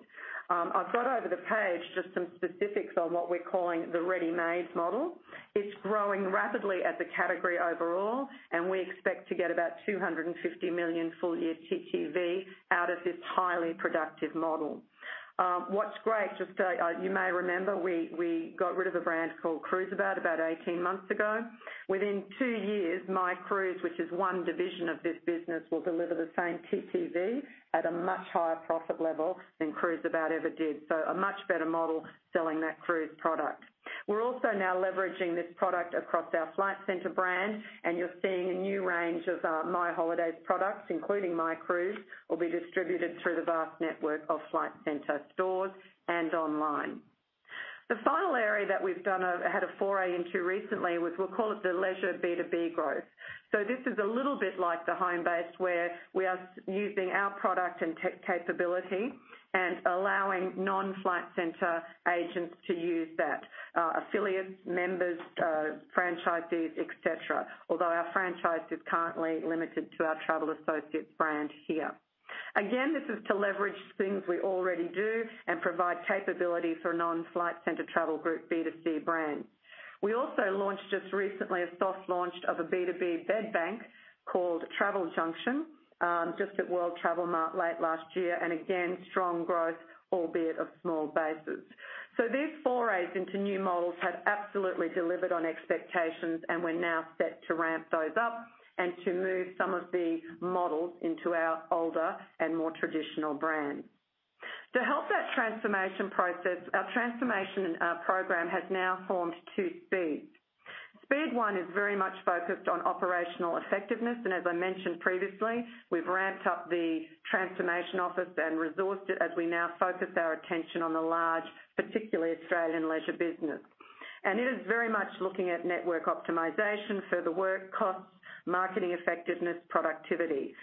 I've got over the page just some specifics on what we're calling the ready-made model. It's growing rapidly as a category overall, and we expect to get about 250 million full-year TTV out of this highly productive model. What's great, just you may remember, we got rid of a brand called Cruiseabout about 18 months ago. Within two years, My Cruise, which is one division of this business, will deliver the same TTV at a much higher profit level than Cruiseabout ever did. So a much better model selling that cruise product. We're also now leveraging this product across our Flight Centre brand, and you're seeing a new range of My Holidays products, including My Cruise, will be distributed through the vast network of Flight Centre stores and online. The final area that we've had a foray into recently was we'll call it the leisure B2B growth. So this is a little bit like the home-based, where we are using our product and tech capability and allowing non-Flight Centre agents to use that, affiliates, members, franchisees, etc., although our franchise is currently limited to our Travel Associates brand here. Again, this is to leverage things we already do and provide capability for non-Flight Centre Travel Group B2C brands. We also launched just recently a soft launch of a B2B bed bank called Travel Junction just at World Travel Market late last year, and again, strong growth, albeit of small bases. So these forays into new models have absolutely delivered on expectations, and we're now set to ramp those up and to move some of the models into our older and more traditional brands. To help that transformation process, our transformation program has now formed two speeds. Speed 1 is very much focused on operational effectiveness. And as I mentioned previously, we've ramped up the transformation office and resourced it as we now focus our attention on the large, particularly Australian leisure business. And it is very much looking at network optimization, further work costs, marketing effectiveness, productivity.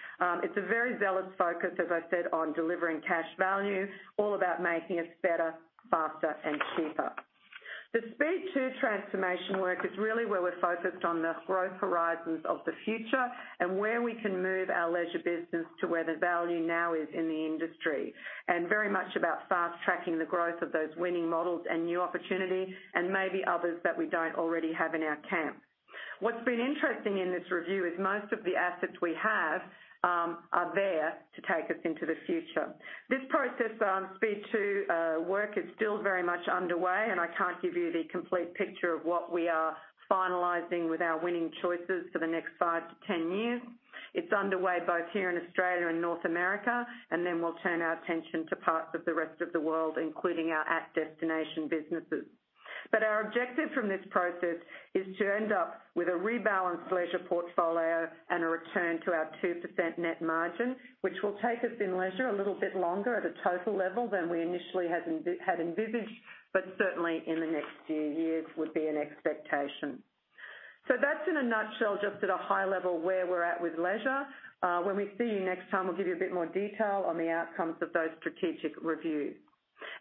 It's a very zealous focus, as I said, on delivering cash value, all about making it better, faster, and cheaper. The Speed 2 transformation work is really where we're focused on the growth horizons of the future and where we can move our leisure business to where the value now is in the industry and very much about fast-tracking the growth of those winning models and new opportunity and maybe others that we don't already have in our camp. What's been interesting in this review is most of the assets we have are there to take us into the future. This process, Speed 2 work, is still very much underway, and I can't give you the complete picture of what we are finalizing with our winning choices for the next five to 10 years. It's underway both here in Australia and North America, and then we'll turn our attention to parts of the rest of the world, including our at-destination businesses. But our objective from this process is to end up with a rebalanced leisure portfolio and a return to our 2% net margin, which will take us in leisure a little bit longer at a total level than we initially had envisaged, but certainly in the next few years would be an expectation. So that's in a nutshell, just at a high level, where we're at with leisure. When we see you next time, we'll give you a bit more detail on the outcomes of those strategic reviews.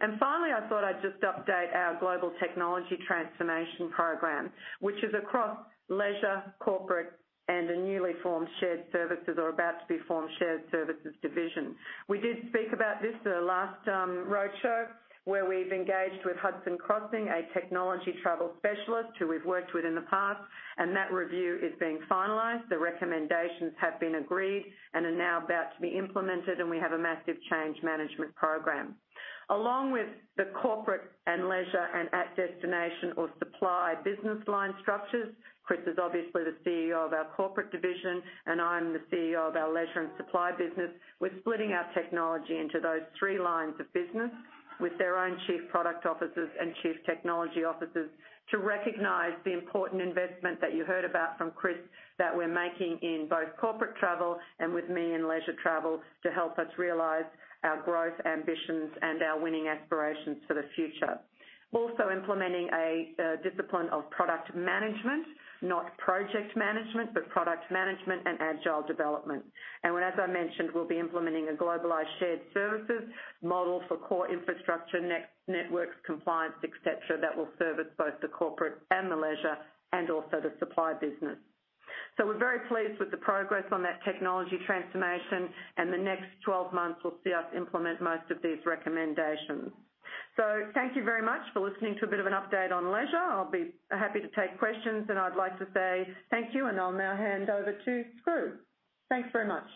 And finally, I thought I'd just update our global technology transformation program, which is across leisure, corporate, and a newly formed shared services or about to be formed shared services division. We did speak about this at the last roadshow, where we've engaged with Hudson Crossing, a technology travel specialist who we've worked with in the past, and that review is being finalized. The recommendations have been agreed and are now about to be implemented, and we have a massive change management program. Along with the corporate and leisure and at-destination or supply business line structures, Chris is obviously the CEO of our corporate division, and I'm the CEO of our leisure and supply business. We're splitting our technology into those three lines of business with their own chief product officers and chief technology officers to recognize the important investment that you heard about from Chris that we're making in both corporate travel and with me in leisure travel to help us realize our growth ambitions and our winning aspirations for the future. Also implementing a discipline of product management, not project management, but product management and agile development. And as I mentioned, we'll be implementing a globalized shared services model for core infrastructure, networks, compliance, etc., that will service both the corporate and the leisure and also the supply business. So we're very pleased with the progress on that technology transformation, and the next 12 months will see us implement most of these recommendations. So thank you very much for listening to a bit of an update on leisure. I'll be happy to take questions, and I'd like to say thank you, and I'll now hand over to Skroo. Thanks very much.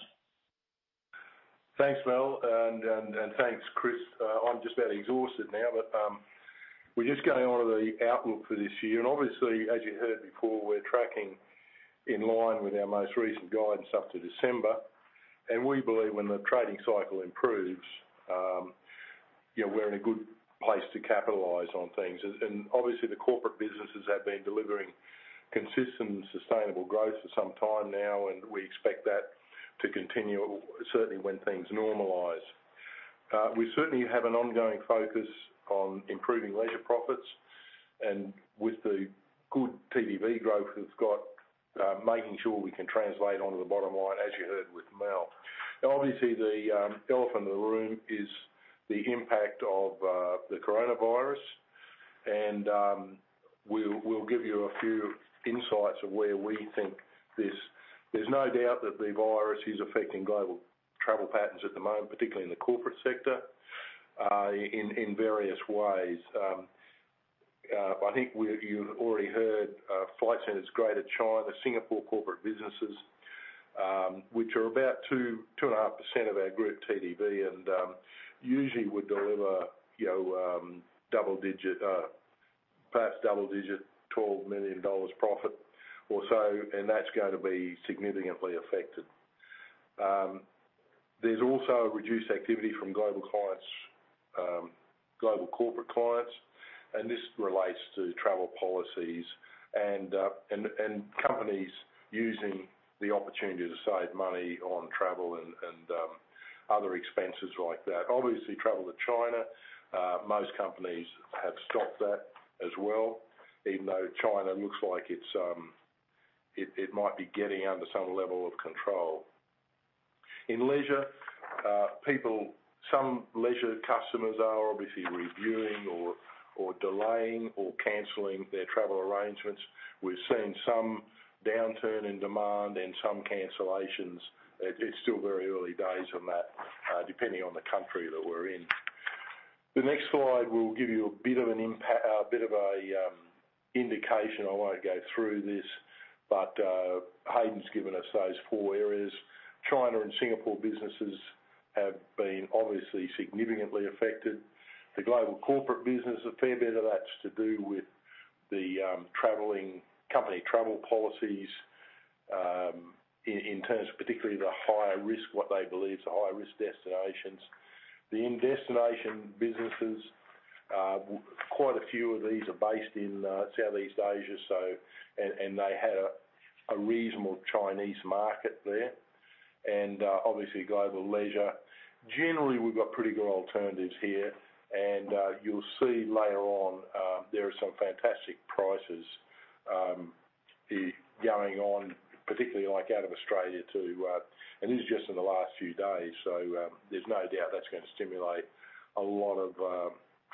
Thanks, Mel, and thanks, Chris. I'm just about exhausted now, but we're just going on to the outlook for this year. And obviously, as you heard before, we're tracking in line with our most recent guidance up to December. We believe when the trading cycle improves, we're in a good place to capitalize on things. Obviously, the corporate businesses have been delivering consistent and sustainable growth for some time now, and we expect that to continue, certainly when things normalize. We certainly have an ongoing focus on improving leisure profits, and with the good TTV growth we've got, making sure we can translate onto the bottom line, as you heard with Mel. Obviously, the elephant in the room is the impact of the coronavirus, and we'll give you a few insights of where we think this. There's no doubt that the virus is affecting global travel patterns at the moment, particularly in the corporate sector, in various ways. I think you've already heard Flight Centre's Greater China, Singapore corporate businesses, which are about 2%-2.5% of our group TTV, and usually would deliver double-digit, perhaps double-digit 12 million dollars profit or so, and that's going to be significantly affected. There's also reduced activity from global clients, global corporate clients, and this relates to travel policies and companies using the opportunity to save money on travel and other expenses like that. Obviously, travel to China, most companies have stopped that as well, even though China looks like it might be getting under some level of control. In leisure, some leisure customers are obviously reviewing or delaying or cancelling their travel arrangements. We've seen some downturn in demand and some cancellations. It's still very early days on that, depending on the country that we're in. The next slide will give you a bit of an indication. I won't go through this, but Haydn's given us those four areas. China and Singapore businesses have been obviously significantly affected. The global corporate business, a fair bit of that's to do with the traveling company travel policies in terms of particularly the higher risk, what they believe is the higher risk destinations. The destination businesses, quite a few of these are based in Southeast Asia, and they had a reasonable Chinese market there. And obviously, global leisure, generally, we've got pretty good alternatives here, and you'll see later on there are some fantastic prices going on, particularly out of Australia too. And this is just in the last few days, so there's no doubt that's going to stimulate a lot of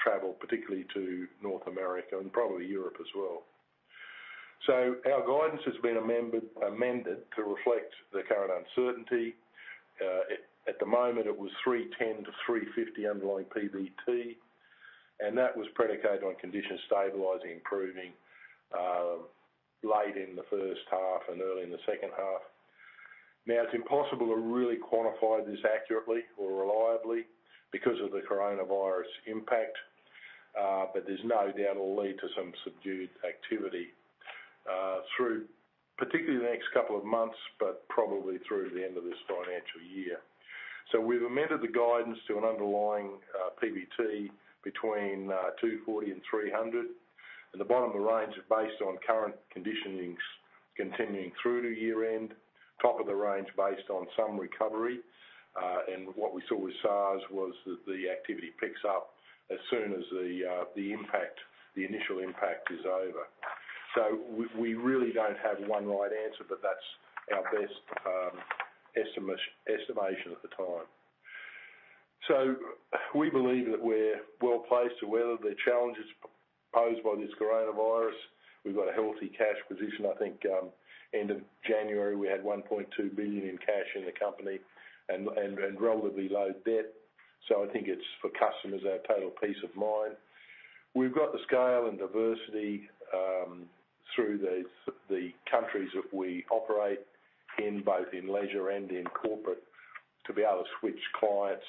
travel, particularly to North America and probably Europe as well. So our guidance has been amended to reflect the current uncertainty. At the moment, it was 310-350 underlying PBT, and that was predicated on conditions stabilizing, improving late in the first half and early in the second half. Now, it's impossible to really quantify this accurately or reliably because of the coronavirus impact, but there's no doubt it'll lead to some subdued activity through particularly the next couple of months, but probably through the end of this financial year, so we've amended the guidance to an underlying PBT between 240 and 300. At the bottom, the range is based on current conditions continuing through to year-end. Top of the range based on some recovery, and what we saw with SARS was that the activity picks up as soon as the initial impact is over, so we really don't have one right answer, but that's our best estimation at the time. So we believe that we're well placed to weather the challenges posed by this coronavirus. We've got a healthy cash position. I think end of January, we had 1.2 billion in cash in the company and relatively low debt. So I think it's, for customers, our total peace of mind. We've got the scale and diversity through the countries that we operate in, both in leisure and in corporate, to be able to switch clients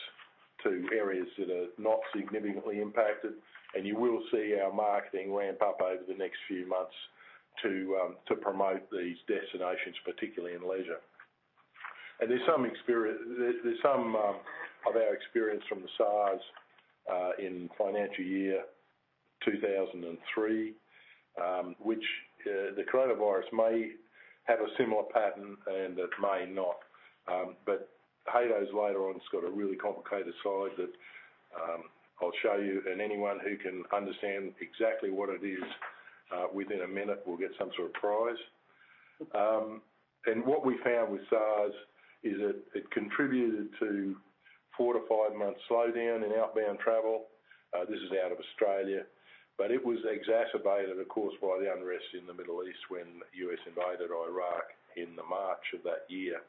to areas that are not significantly impacted. And you will see our marketing ramp up over the next few months to promote these destinations, particularly in leisure. And there's some of our experience from the SARS in financial year 2003, which the coronavirus may have a similar pattern and it may not. Haydn's later on has got a really complicated slide that I'll show you, and anyone who can understand exactly what it is within a minute will get some sort of prize. What we found with SARS is it contributed to four- to five-month slowdown in outbound travel. This is out of Australia, but it was exacerbated, of course, by the unrest in the Middle East when the U.S. invaded Iraq in March of that year.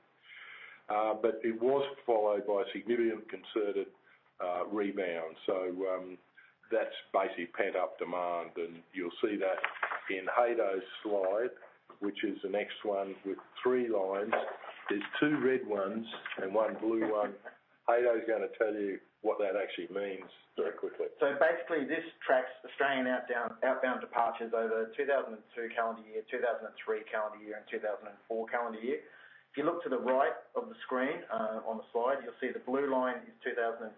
It was followed by significant concerted rebound. That's basically pent-up demand, and you'll see that in Haydn's slide, which is the next one with three lines. There's two red ones and one blue one. Haydn's going to tell you what that actually means very quickly. So basically, this tracks Australian outbound departures over 2002 calendar year, 2003 calendar year, and 2004 calendar year. If you look to the right of the screen on the slide, you'll see the blue line is 2002,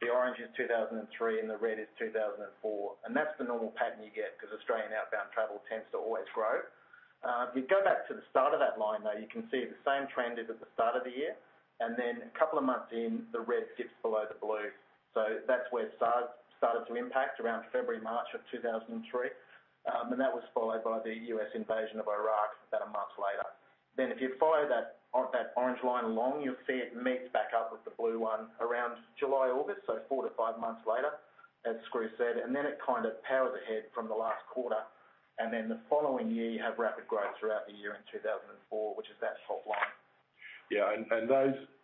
the orange is 2003, and the red is 2004. And that's the normal pattern you get because Australian outbound travel tends to always grow. If you go back to the start of that line, though, you can see the same trend as at the start of the year, and then a couple of months in, the red dips below the blue. So that's where SARS started to impact around February, March of 2003, and that was followed by the U.S. invasion of Iraq about a month later. Then if you follow that orange line along, you'll see it meets back up with the blue one around July, August, so four to five months later, as Chris said, and then it kind of powers ahead from the last quarter, and then the following year, you have rapid growth throughout the year in 2004, which is that top line. Yeah, and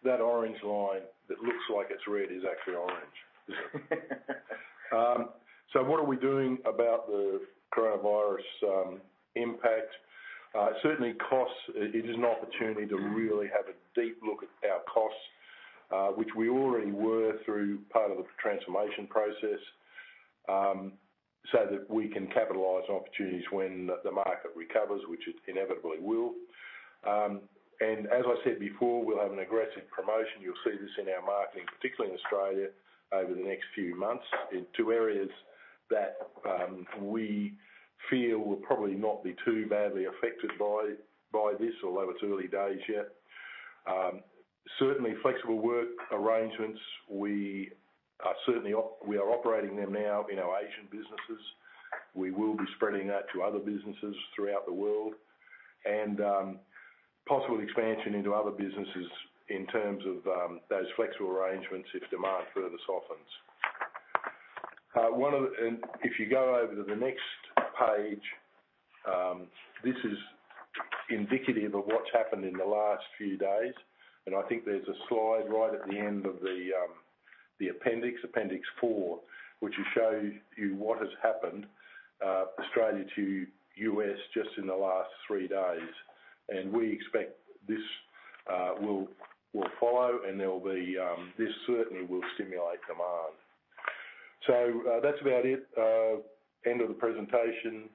that orange line that looks like it's red is actually orange, isn't it? So what are we doing about the coronavirus impact? Certainly, costs. It is an opportunity to really have a deep look at our costs, which we already were through part of the transformation process, so that we can capitalize on opportunities when the market recovers, which it inevitably will. And as I said before, we'll have an aggressive promotion. You'll see this in our marketing, particularly in Australia, over the next few months in two areas that we feel will probably not be too badly affected by this, although it's early days yet. Certainly, flexible work arrangements. We are operating them now in our Asian businesses. We will be spreading that to other businesses throughout the world and possible expansion into other businesses in terms of those flexible arrangements if demand further softens. And if you go over to the next page, this is indicative of what's happened in the last few days, and I think there's a slide right at the end of the appendix, appendix four, which will show you what has happened, Australia to U.S. just in the last three days. And we expect this will follow, and there will be this certainly will stimulate demand. So that's about it. End of the presentation.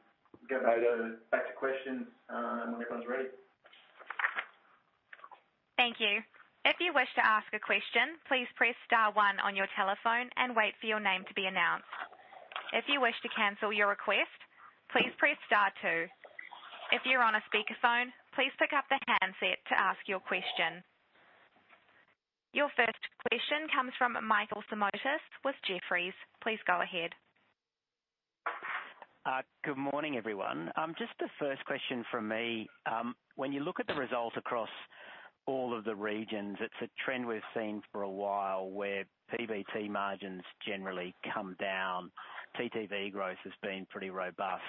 Back to questions when everyone's ready. Thank you. If you wish to ask a question, please press star one on your telephone and wait for your name to be announced. If you wish to cancel your request, please press star two. If you're on a speakerphone, please pick up the handset to ask your question. Your first question comes from Michael Simotas with Jefferies. Please go ahead. Good morning, everyone. Just the first question from me. When you look at the results across all of the regions, it's a trend we've seen for a while where PBT margins generally come down. TTV growth has been pretty robust.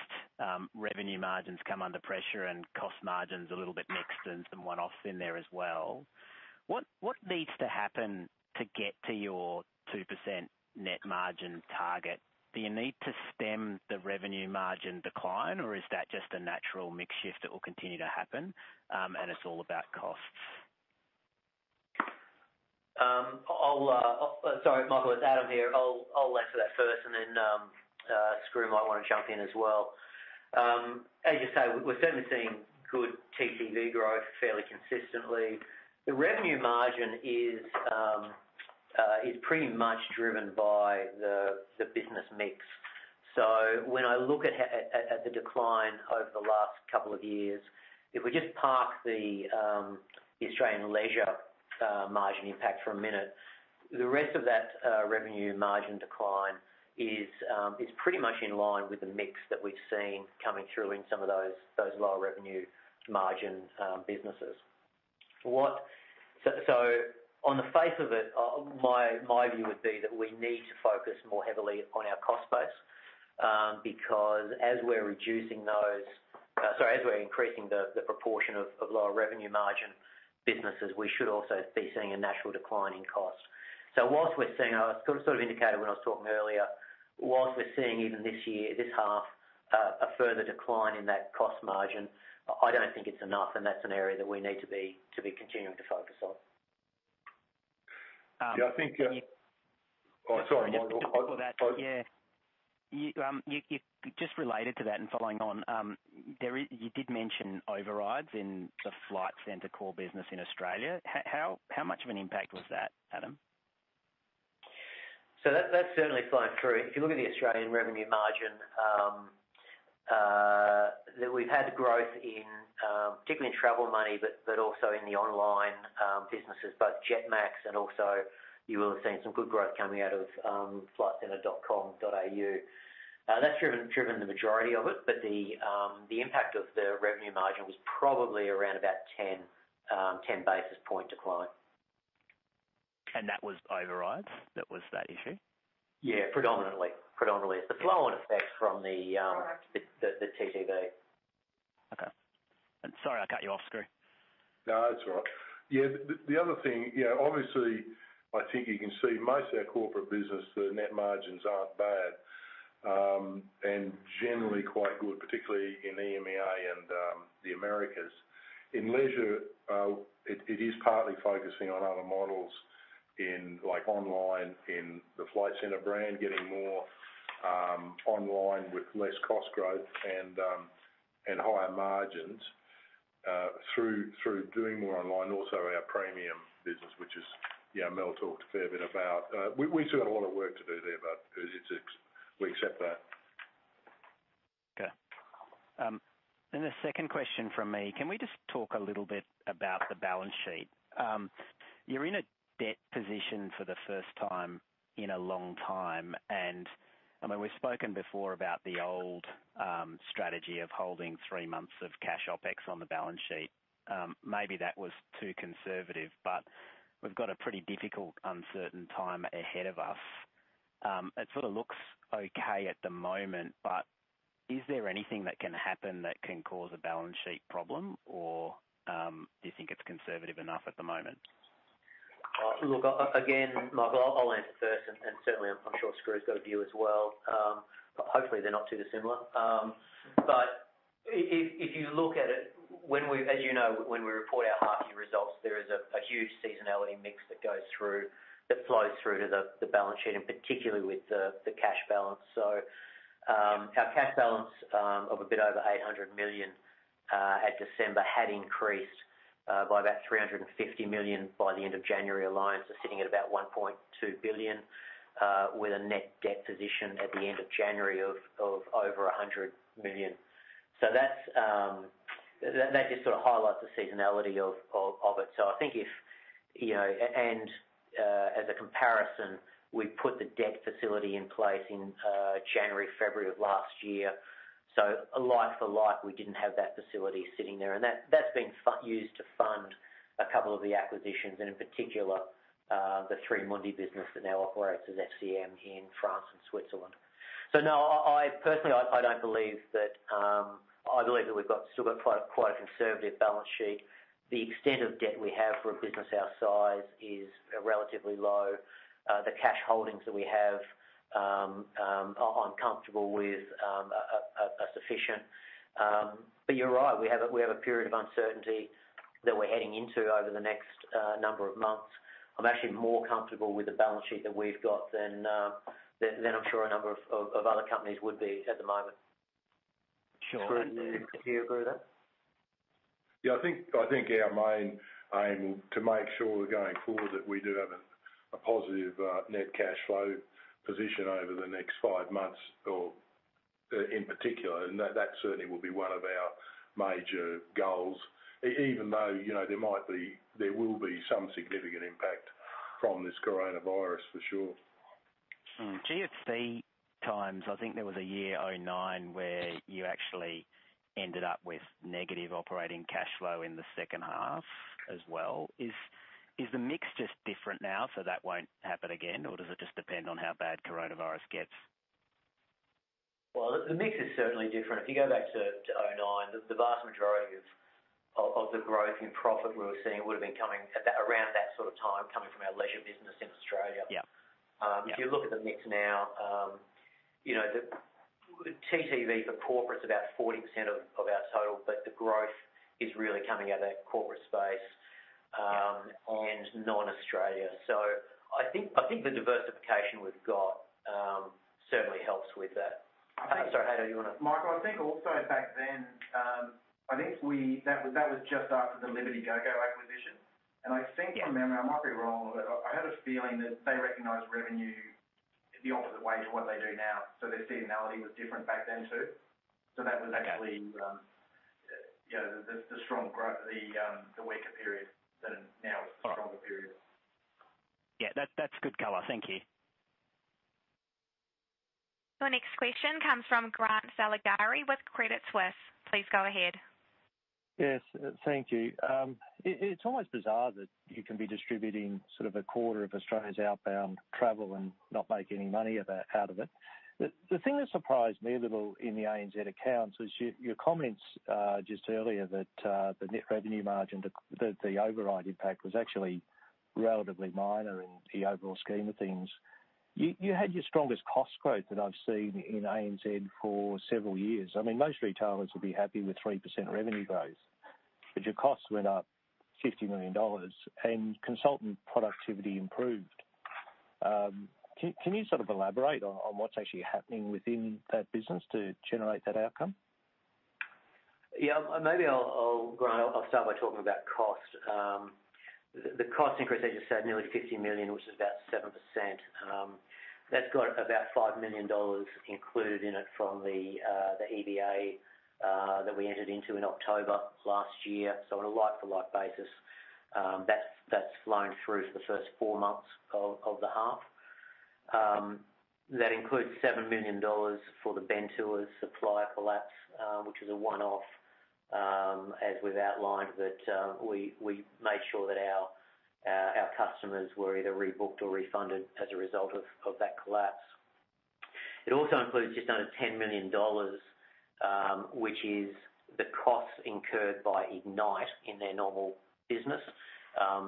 Revenue margins come under pressure and cost margins a little bit mixed and some one-offs in there as well. What needs to happen to get to your 2% net margin target? Do you need to stem the revenue margin decline, or is that just a natural mixed shift that will continue to happen and it's all about costs? Sorry, Michael, it's Adam here. I'll answer that first, and then Skroo might want to jump in as well. As you say, we're certainly seeing good TTV growth fairly consistently. The revenue margin is pretty much driven by the business mix. So when I look at the decline over the last couple of years, if we just park the Australian leisure margin impact for a minute, the rest of that revenue margin decline is pretty much in line with the mix that we've seen coming through in some of those low revenue margin businesses. So on the face of it, my view would be that we need to focus more heavily on our cost base because as we're reducing those sorry, as we're increasing the proportion of lower revenue margin businesses, we should also be seeing a natural decline in cost. While we're seeing, I sort of indicated when I was talking earlier, while we're seeing even this year, this half, a further decline in that cost margin. I don't think it's enough, and that's an area that we need to be continuing to focus on. Yeah, I think. Sorry, Michael. Yeah. Just related to that and following on, you did mention overrides in the Flight Centre core business in Australia. How much of an impact was that, Adam? So that's certainly flowing through. If you look at the Australian revenue margin, we've had growth, particularly in travel money, but also in the online businesses, both Jetmax and also you will have seen some good growth coming out of flightcentre.com.au. That's driven the majority of it, but the impact of the revenue margin was probably around about 10 basis points decline. That was overrides? That was that issue? Yeah, predominantly. Predominantly. It's the flow-on effect from the TTV. Okay. Sorry, I cut you off, Skroo. No, that's all right. Yeah, the other thing, obviously, I think you can see most of our corporate business, the net margins aren't bad and generally quite good, particularly in EMEA and the Americas. In leisure, it is partly focusing on other models like online in the Flight Centre brand, getting more online with less cost growth and higher margins through doing more online, also our premium business, which Mel talked a fair bit about. We still got a lot of work to do there, but we accept that. Okay. And the second question from me, can we just talk a little bit about the balance sheet? You're in a debt position for the first time in a long time, and I mean, we've spoken before about the old strategy of holding three months of cash OpEx on the balance sheet. Maybe that was too conservative, but we've got a pretty difficult, uncertain time ahead of us. It sort of looks okay at the moment, but is there anything that can happen that can cause a balance sheet problem, or do you think it's conservative enough at the moment? Look, again, Michael, I'll answer first, and certainly, I'm sure Skroo's got a view as well. Hopefully, they're not too dissimilar. But if you look at it, as you know, when we report our half-year results, there is a huge seasonality mix that flows through to the balance sheet, and particularly with the cash balance. So our cash balance of a bit over 800 million at December had increased by about 350 million by the end of January. Liabilities is sitting at about 1.2 billion with a net debt position at the end of January of over 100 million. So that just sort of highlights the seasonality of it. So I think if and as a comparison, we put the debt facility in place in January, February of last year. So like for like, we didn't have that facility sitting there, and that's been used to fund a couple of the acquisitions and, in particular, the 3Mundi business that now operates as FCM in France and Switzerland. So no, personally, I don't believe that we've still got quite a conservative balance sheet. The extent of debt we have for a business our size is relatively low. The cash holdings that we have, I'm comfortable with, are sufficient. But you're right, we have a period of uncertainty that we're heading into over the next number of months. I'm actually more comfortable with the balance sheet that we've got than I'm sure a number of other companies would be at the moment. Sure. Skroo, do you agree with that? Yeah, I think our main aim to make sure we're going forward that we do have a positive net cash flow position over the next five months in particular, and that certainly will be one of our major goals, even though there will be some significant impact from this coronavirus for sure. GFC times, I think there was a year 2009 where you actually ended up with negative operating cash flow in the second half as well. Is the mix just different now, so that won't happen again, or does it just depend on how bad coronavirus gets? The mix is certainly different. If you go back to 2009, the vast majority of the growth in profit we were seeing would have been coming around that sort of time coming from our leisure business in Australia. If you look at the mix now, TTV for corporate is about 40% of our total, but the growth is really coming out of that corporate space and non-Australia. So I think the diversification we've got certainly helps with that. Sorry, Haydn, do you want to? Michael, I think also back then, I think that was just after the Liberty GoGo acquisition, and I think, from memory, I might be wrong, but I had a feeling that they recognized revenue the opposite way to what they do now, so their seasonality was different back then too, so that was actually the strong growth, the weaker period, then now is the stronger period. Yeah, that's good color. Thank you. The next question comes from Grant Saligari with Credit Suisse. Please go ahead. Yes, thank you. It's almost bizarre that you can be distributing sort of a quarter of Australia's outbound travel and not make any money out of it. The thing that surprised me a little in the ANZ accounts was your comments just earlier that the net revenue margin, the override impact was actually relatively minor in the overall scheme of things. You had your strongest cost growth that I've seen in ANZ for several years. I mean, most retailers would be happy with 3% revenue growth, but your costs went up 50 million dollars and consultant productivity improved. Can you sort of elaborate on what's actually happening within that business to generate that outcome? Yeah, maybe I'll start by talking about cost. The cost increase, as you said, nearly 50 million, which is about 7%. That's got about 5 million dollars included in it from the EBA that we entered into in October last year. So on a like-for-like basis, that's flown through for the first four months of the half. That includes 7 million dollars for the Bentours' supply collapse, which is a one-off, as we've outlined, that we made sure that our customers were either rebooked or refunded as a result of that collapse. It also includes just under 10 million dollars, which is the costs incurred by Ignite in their normal business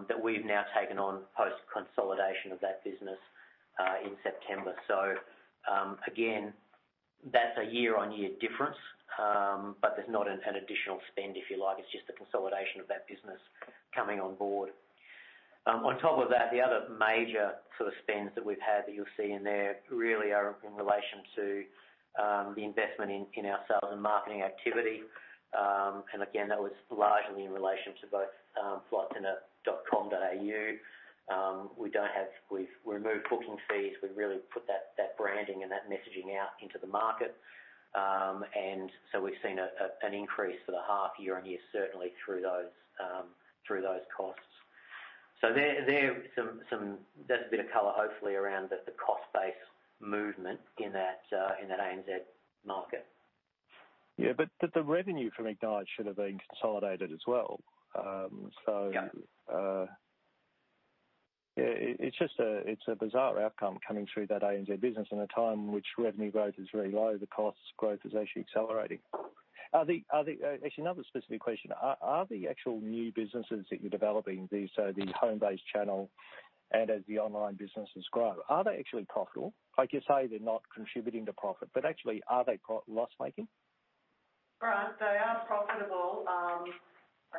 that we've now taken on post-consolidation of that business in September. So again, that's a year-on-year difference, but there's not an additional spend, if you like. It's just the consolidation of that business coming on board. On top of that, the other major sort of spends that we've had that you'll see in there really are in relation to the investment in our sales and marketing activity. And again, that was largely in relation to both flightcentre.com.au. We've removed booking fees. We've really put that branding and that messaging out into the market. And so we've seen an increase for the half year on year, certainly through those costs. So there's a bit of color, hopefully, around the cost-based movement in that ANZ market. Yeah, but the revenue from Ignite should have been consolidated as well. So it's a bizarre outcome coming through that ANZ business in a time in which revenue growth is really low. The cost growth is actually accelerating. Actually, another specific question. Are the actual new businesses that you're developing, the home-based channel and as the online businesses grow, actually profitable? Like you say, they're not contributing to profit, but actually, are they loss-making? Grant, they are profitable. Probably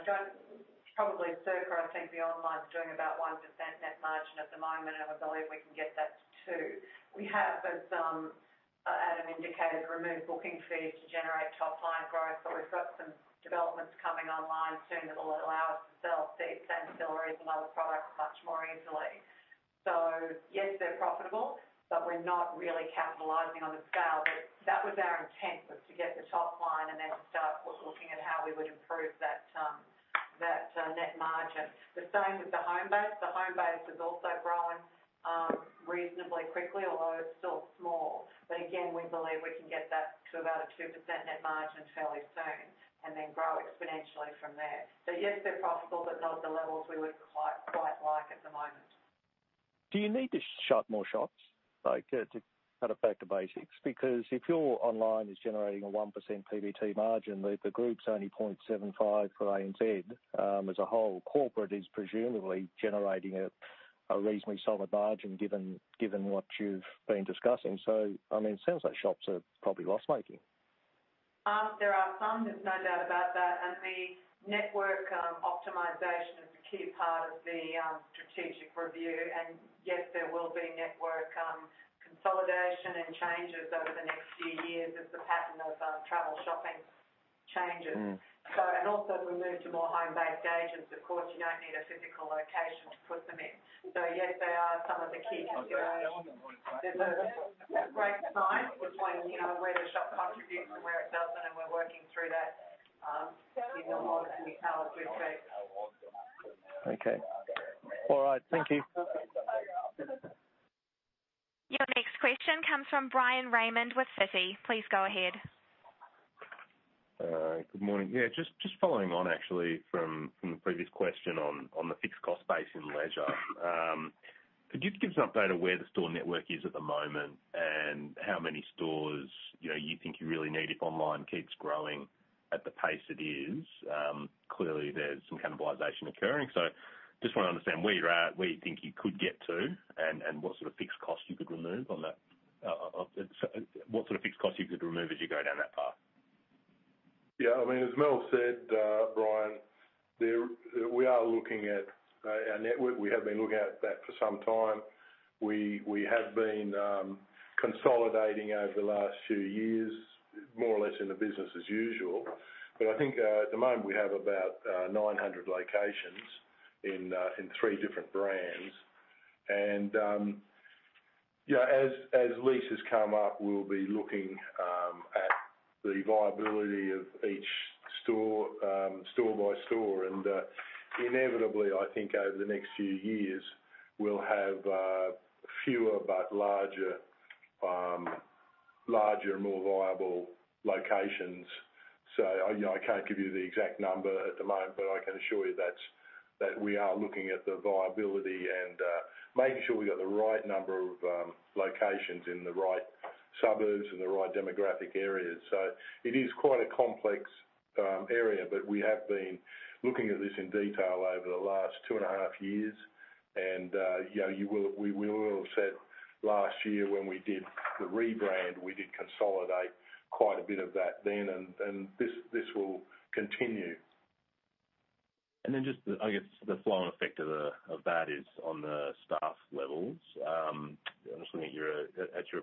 Circle, I think the online's doing about 1% net margin at the moment, and I believe we can get that to 2%. We have, as Adam indicated, removed booking fees to generate top-line growth, but we've got some developments coming online soon that will allow us to sell seats and ancillaries and other products much more easily. So yes, they're profitable, but we're not really capitalizing on the scale. But that was our intent, was to get the top line and then to start looking at how we would improve that net margin. The same with the home-based. The home-based is also growing reasonably quickly, although it's still small. But again, we believe we can get that to about a 2% net margin fairly soon and then grow exponentially from there. Yes, they're profitable, but not at the levels we would quite like at the moment. Do you need to shut more shops to cut it back to basics? Because if your online is generating a 1% PBT margin, the group's only 0.75% for ANZ as a whole. Corporate is presumably generating a reasonably solid margin given what you've been discussing. So I mean, it sounds like shops are probably loss-making. There are some. There's no doubt about that. And the network optimization is a key part of the strategic review. And yes, there will be network consolidation and changes over the next few years as the pattern of travel shopping changes. And also, we moved to more home-based agents. Of course, you don't need a physical location to put them in. So yes, they are some of the key considerations. There's a great balance between where the shop contributes and where it doesn't, and we're working through that in the retailers' aspect. Okay. All right. Thank you. Your next question comes from Bryan Raymond with Citi. Please go ahead. Good morning. Yeah, just following on, actually, from the previous question on the fixed cost base in leisure, could you give us an update of where the store network is at the moment and how many stores you think you really need if online keeps growing at the pace it is? Clearly, there's some cannibalization occurring, so just want to understand where you're at, where you think you could get to, and what sort of fixed cost you could remove as you go down that path. Yeah, I mean, as Mel said, Bryan, we are looking at our network. We have been looking at that for some time. We have been consolidating over the last few years, more or less in the business as usual. But I think at the moment, we have about 900 locations in three different brands. And as leases come up, we'll be looking at the viability of each store by store. And inevitably, I think over the next few years, we'll have fewer but larger, more viable locations. So I can't give you the exact number at the moment, but I can assure you that we are looking at the viability and making sure we've got the right number of locations in the right suburbs and the right demographic areas. It is quite a complex area, but we have been looking at this in detail over the last two and a half years. We will have said last year when we did the rebrand, we did consolidate quite a bit of that then, and this will continue. And then just, I guess, the flow and effect of that is on the staff levels. I'm just looking at your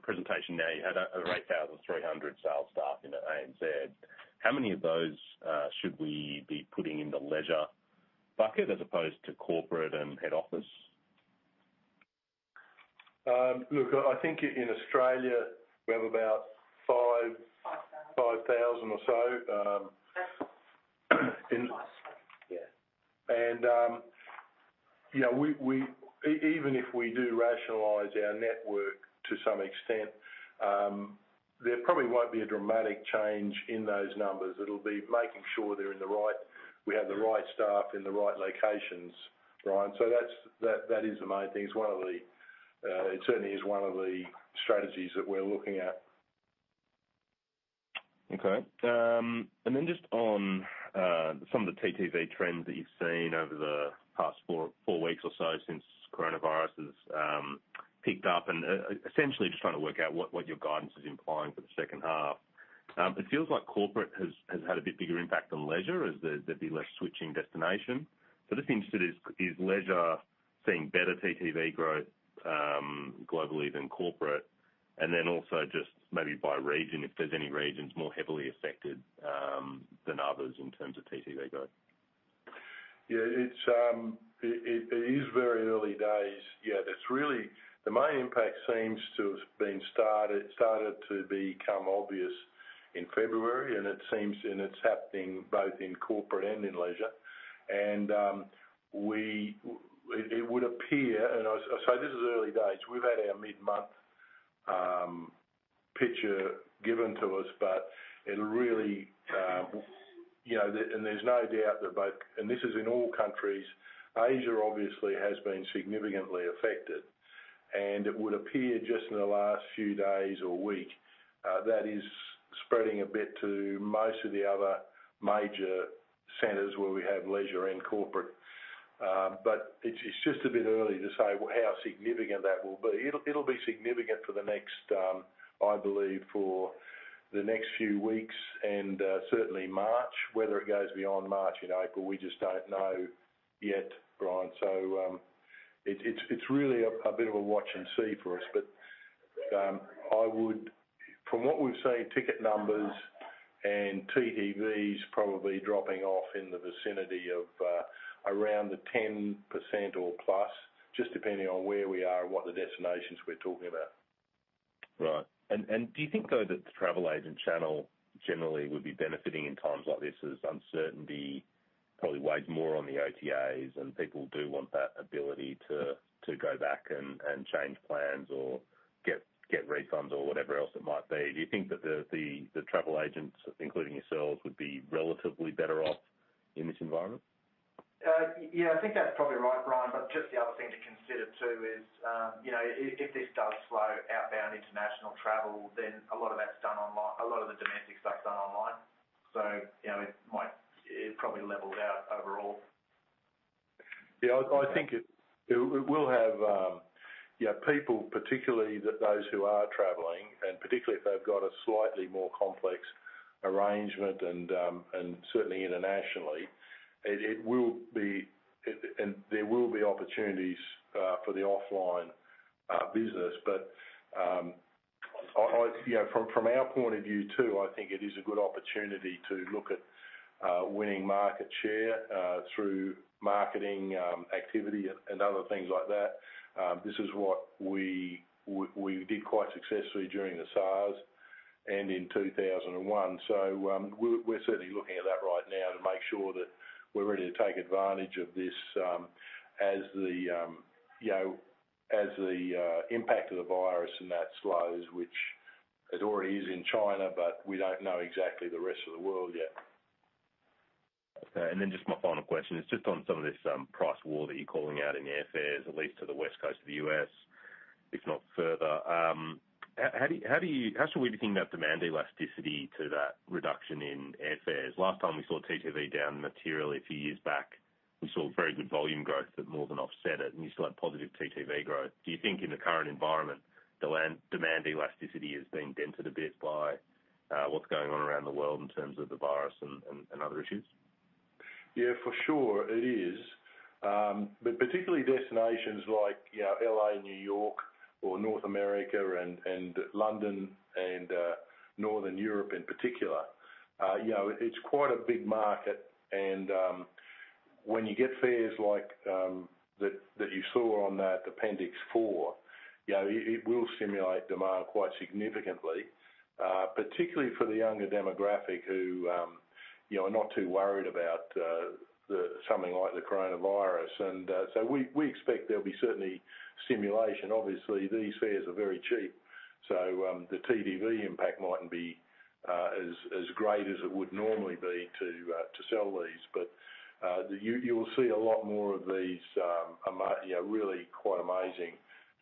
presentation now. You had 8,300 sales staff in ANZ. How many of those should we be putting in the leisure bucket as opposed to corporate and head office? Look, I think in Australia, we have about 5,000 or so, and even if we do rationalize our network to some extent, there probably won't be a dramatic change in those numbers. It'll be making sure we have the right staff in the right locations, Brian, so that is the main thing. It's one of the. It certainly is one of the strategies that we're looking at. Okay. And then just on some of the TTV trends that you've seen over the past four weeks or so since coronavirus has picked up, and essentially just trying to work out what your guidance is implying for the second half. It feels like corporate has had a bit bigger impact on leisure as there'd be less switching destination. So I'm just interested, is leisure seeing better TTV growth globally than corporate? And then also just maybe by region, if there's any regions more heavily affected than others in terms of TTV growth? Yeah, it is very early days. Yeah, the main impact seems to have started to become obvious in February, and it's happening both in corporate and in leisure. And it would appear, and I say this is early days, we've had our mid-month picture given to us, but it'll really, and there's no doubt that both, and this is in all countries. Asia, obviously, has been significantly affected, and it would appear just in the last few days or weeks that it is spreading a bit to most of the other major centers where we have leisure and corporate. But it's just a bit early to say how significant that will be. It'll be significant for the next, I believe, for the next few weeks and certainly March. Whether it goes beyond March and April, we just don't know yet, Brian. It's really a bit of a watch and see for us. But from what we've seen, ticket numbers and TTVs probably dropping off in the vicinity of around the 10% or plus, just depending on where we are and what the destinations we're talking about. Right. And do you think, though, that the travel agent channel generally would be benefiting in times like this as uncertainty probably weighs more on the OTAs and people do want that ability to go back and change plans or get refunds or whatever else it might be? Do you think that the travel agents, including yourselves, would be relatively better off in this environment? Yeah, I think that's probably right, Brian. But just the other thing to consider too is if this does slow outbound international travel, then a lot of that's done online. A lot of the domestic stuff's done online. So it probably levels out overall. Yeah, I think it will have people, particularly those who are travelling, and particularly if they've got a slightly more complex arrangement and certainly internationally, it will be, and there will be opportunities for the offline business. But from our point of view too, I think it is a good opportunity to look at winning market share through marketing activity and other things like that. This is what we did quite successfully during the SARS and in 2001. So we're certainly looking at that right now to make sure that we're ready to take advantage of this as the impact of the virus and that slows, which it already is in China, but we don't know exactly the rest of the world yet. Okay. And then just my final question is just on some of this price war that you're calling out in airfares, at least to the West Coast of the U.S., if not further. How should we be thinking about demand elasticity to that reduction in airfares? Last time we saw TTV down materially a few years back, we saw very good volume growth that more than offset it, and you still had positive TTV growth. Do you think in the current environment, demand elasticity has been dented a bit by what's going on around the world in terms of the virus and other issues? Yeah, for sure. It is. But particularly destinations like LA, New York, or North America and London and Northern Europe in particular, it's quite a big market. And when you get fares like that you saw on that Appendix 4, it will stimulate demand quite significantly, particularly for the younger demographic who are not too worried about something like the coronavirus. And so we expect there'll be certainly stimulation. Obviously, these fares are very cheap, so the TTV impact mightn't be as great as it would normally be to sell these. But you'll see a lot more of these really quite amazing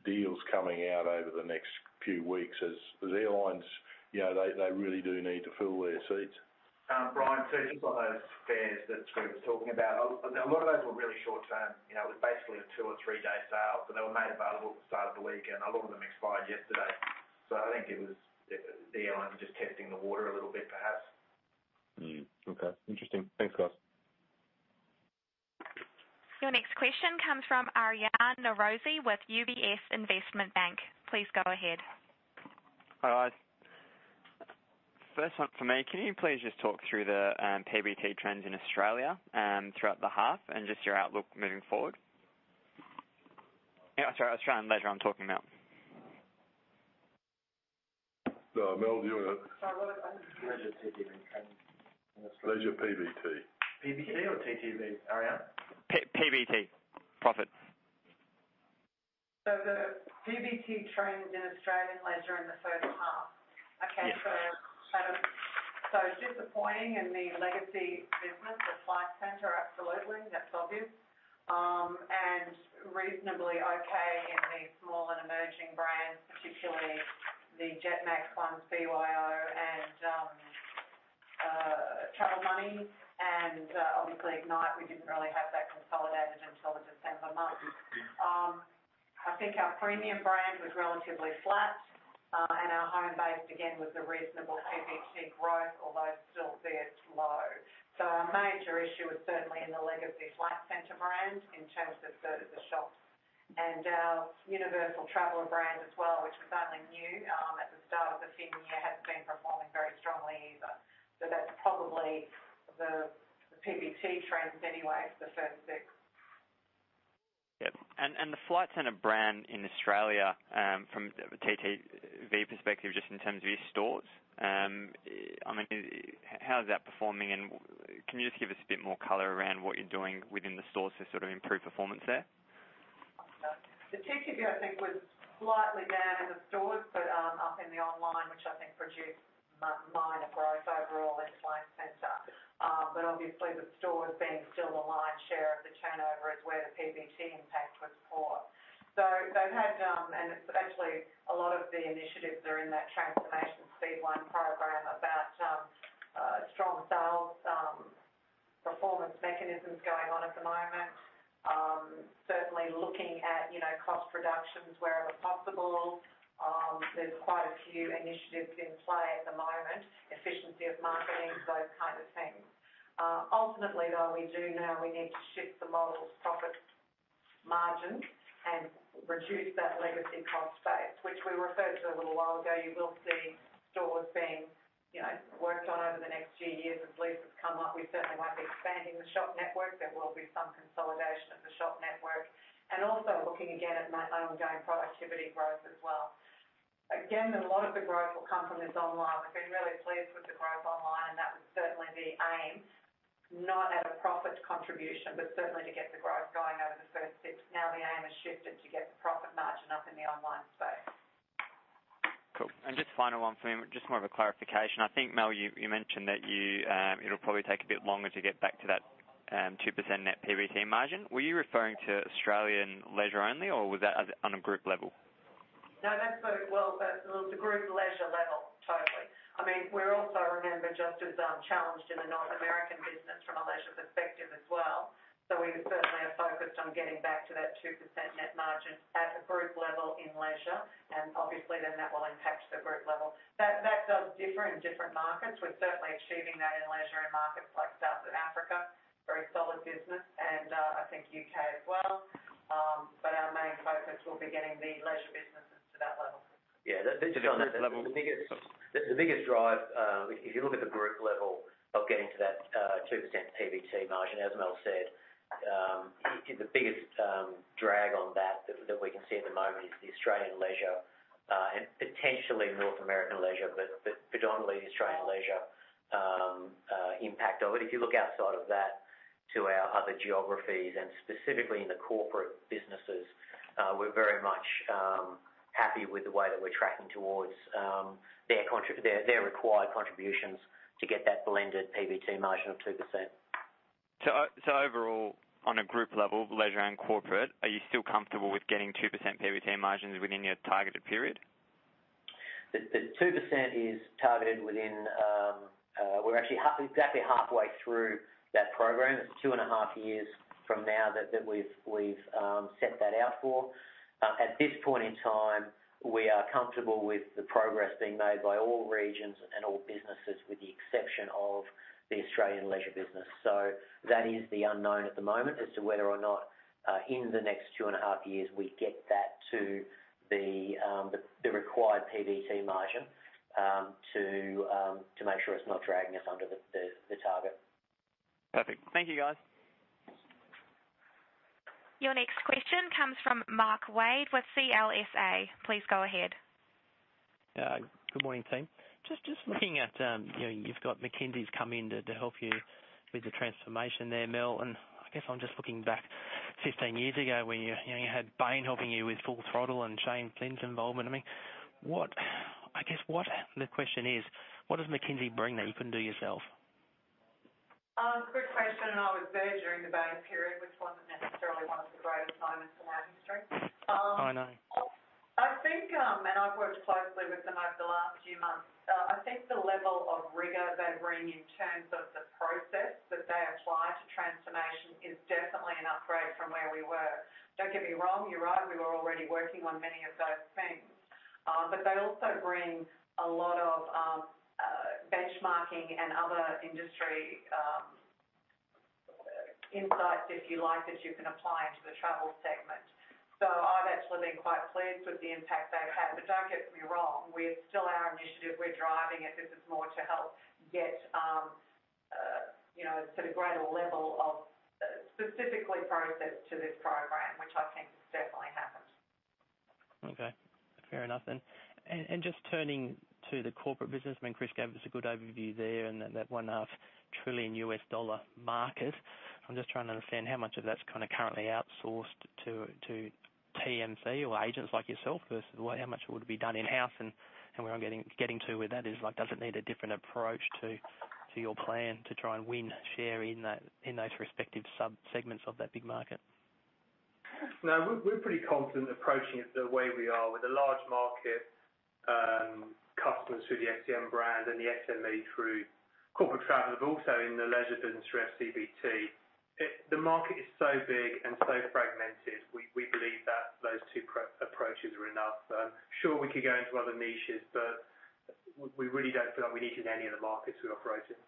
deals coming out over the next few weeks as airlines, they really do need to fill their seats. Brian, so just on those fares that we were talking about, a lot of those were really short-term. It was basically a two or three-day sale, but they were made available at the start of the week, and a lot of them expired yesterday. So I think it was the airlines just testing the water a little bit, perhaps. Okay. Interesting. Thanks, guys. Your next question comes from [AUDIO DISTORTION] with UBS Investment Bank. Please go ahead. Hi, guys. First one for me, can you please just talk through the PBT trends in Australia throughout the half and just your outlook moving forward? Sorry, Australian leisure. I'm talking about. No, Mel, do you want to? Leisure PBT. PBT or TTV? [AUDIO DISTORTION] PBT. Profit. So the PBT trends in Australian leisure in the first half. Okay, so disappointing in the legacy business, the Flight Centre, absolutely. That's obvious. And reasonably okay in the small and emerging brands, particularly the Jetmax ones, BYO, and Travel Money. And obviously, Ignite, we didn't really have that consolidated until the December months. I think our premium brand was relatively flat, and our home-based, again, was a reasonable PBT growth, although still very slow. So our major issue was certainly in the legacy Flight Centre brand in terms of the shops. And our Universal Traveller brand as well, which was only new at the start of the fifth year, hasn't been performing very strongly either. So that's probably the PBT trends anyway for the first six. Yeah, and the Flight Centre brand in Australia, from a TTV perspective, just in terms of your stores, I mean, how's that performing? And can you just give us a bit more color around what you're doing within the stores to sort of improve performance there? The TTV, I think, was slightly down in the stores, but up in the online, which I think produced minor growth overall in the Flight Centre. But obviously, the stores being still the lion's share of the turnover is where the PBT impact was poor. So they've had, and it's actually a lot of the initiatives are in that transformation Speed 1 program about strong sales performance mechanisms going on at the moment. Certainly looking at cost reductions wherever possible. There's quite a few initiatives in play at the moment: efficiency of marketing, those kinds of things. Ultimately, though, we do know we need to shift the model's profit margins and reduce that legacy cost base, which we referred to a little while ago. You will see stores being worked on over the next few years as leases come up. We certainly won't be expanding the shop network. There will be some consolidation of the shop network, and also looking again at ongoing productivity growth as well. Again, a lot of the growth will come from this online. We've been really pleased with the growth online, and that was certainly the aim, not at a profit contribution, but certainly to get the growth going over the first six. Now the aim has shifted to get the profit margin up in the online space. Cool, and just final one for me, just more of a clarification. I think, Mel, you mentioned that it'll probably take a bit longer to get back to that 2% net PBT margin. Were you referring to Australian leisure only, or was that on a group level? No, that's both. Well, that's the group leisure level, totally. I mean, we're also, remember, just as challenged in the North American business from a leisure perspective as well. So we're certainly focused on getting back to that 2% net margin at a group level in leisure. And obviously, then that will impact the group level. That does differ in different markets. We're certainly achieving that in leisure and markets like South Africa, very solid business, and I think U.K. as well. But our main focus will be getting the leisure businesses to that level. Yeah. Just on that level, the biggest driver, if you look at the group level of getting to that 2% PBT margin, as Mel said, the biggest drag on that that we can see at the moment is the Australian leisure and potentially North American leisure, but predominantly the Australian leisure impact of it. If you look outside of that to our other geographies, and specifically in the corporate businesses, we're very much happy with the way that we're tracking towards their required contributions to get that blended PBT margin of 2%. So overall, on a group level, leisure and corporate, are you still comfortable with getting 2% PBT margins within your targeted period? The 2% is targeted within - we're actually exactly halfway through that program. It's two and a half years from now that we've set that out for. At this point in time, we are comfortable with the progress being made by all regions and all businesses with the exception of the Australian leisure business. So that is the unknown at the moment as to whether or not in the next two and a half years we get that to the required PBT margin to make sure it's not dragging us under the target. Perfect. Thank you, guys. Your next question comes from Mark Wade with CLSA. Please go ahead. Yeah. Good morning, team. Just looking at—you've got McKinsey's come in to help you with the transformation there, Mel. And I guess I'm just looking back 15 years ago when you had Bain helping you with full throttle and Shane Flynn's involvement. I mean, I guess the question is, what does McKinsey bring that you can do yourself? Good question. I was there during the Bain period, which wasn't necessarily one of the greatest moments in our history. I know. I think (and I've worked closely with them over the last few months) I think the level of rigor they bring in terms of the process that they apply to transformation is definitely an upgrade from where we were. Don't get me wrong, you're right. We were already working on many of those things. But they also bring a lot of benchmarking and other industry insights, if you like, that you can apply into the travel segment. So I've actually been quite pleased with the impact they've had. But don't get me wrong. It's still our initiative. We're driving it. This is more to help get to the greater level of specifically process to this program, which I think has definitely happened. Okay. Fair enough then. And just turning to the corporate business, I mean, Chris gave us a good overview there and that $1.5 trillion market. I'm just trying to understand how much of that's kind of currently outsourced to TMC or agents like yourself versus how much would be done in-house. And where I'm getting to with that is, does it need a different approach to your plan to try and win share in those respective subsegments of that big market? No, we're pretty confident approaching it the way we are with the large market customers through the STM brand and the SME through corporate travel, but also in the leisure business through FCBT. The market is so big and so fragmented. We believe that those two approaches are enough. Sure, we could go into other niches, but we really don't feel like we need it in any of the markets we operate in.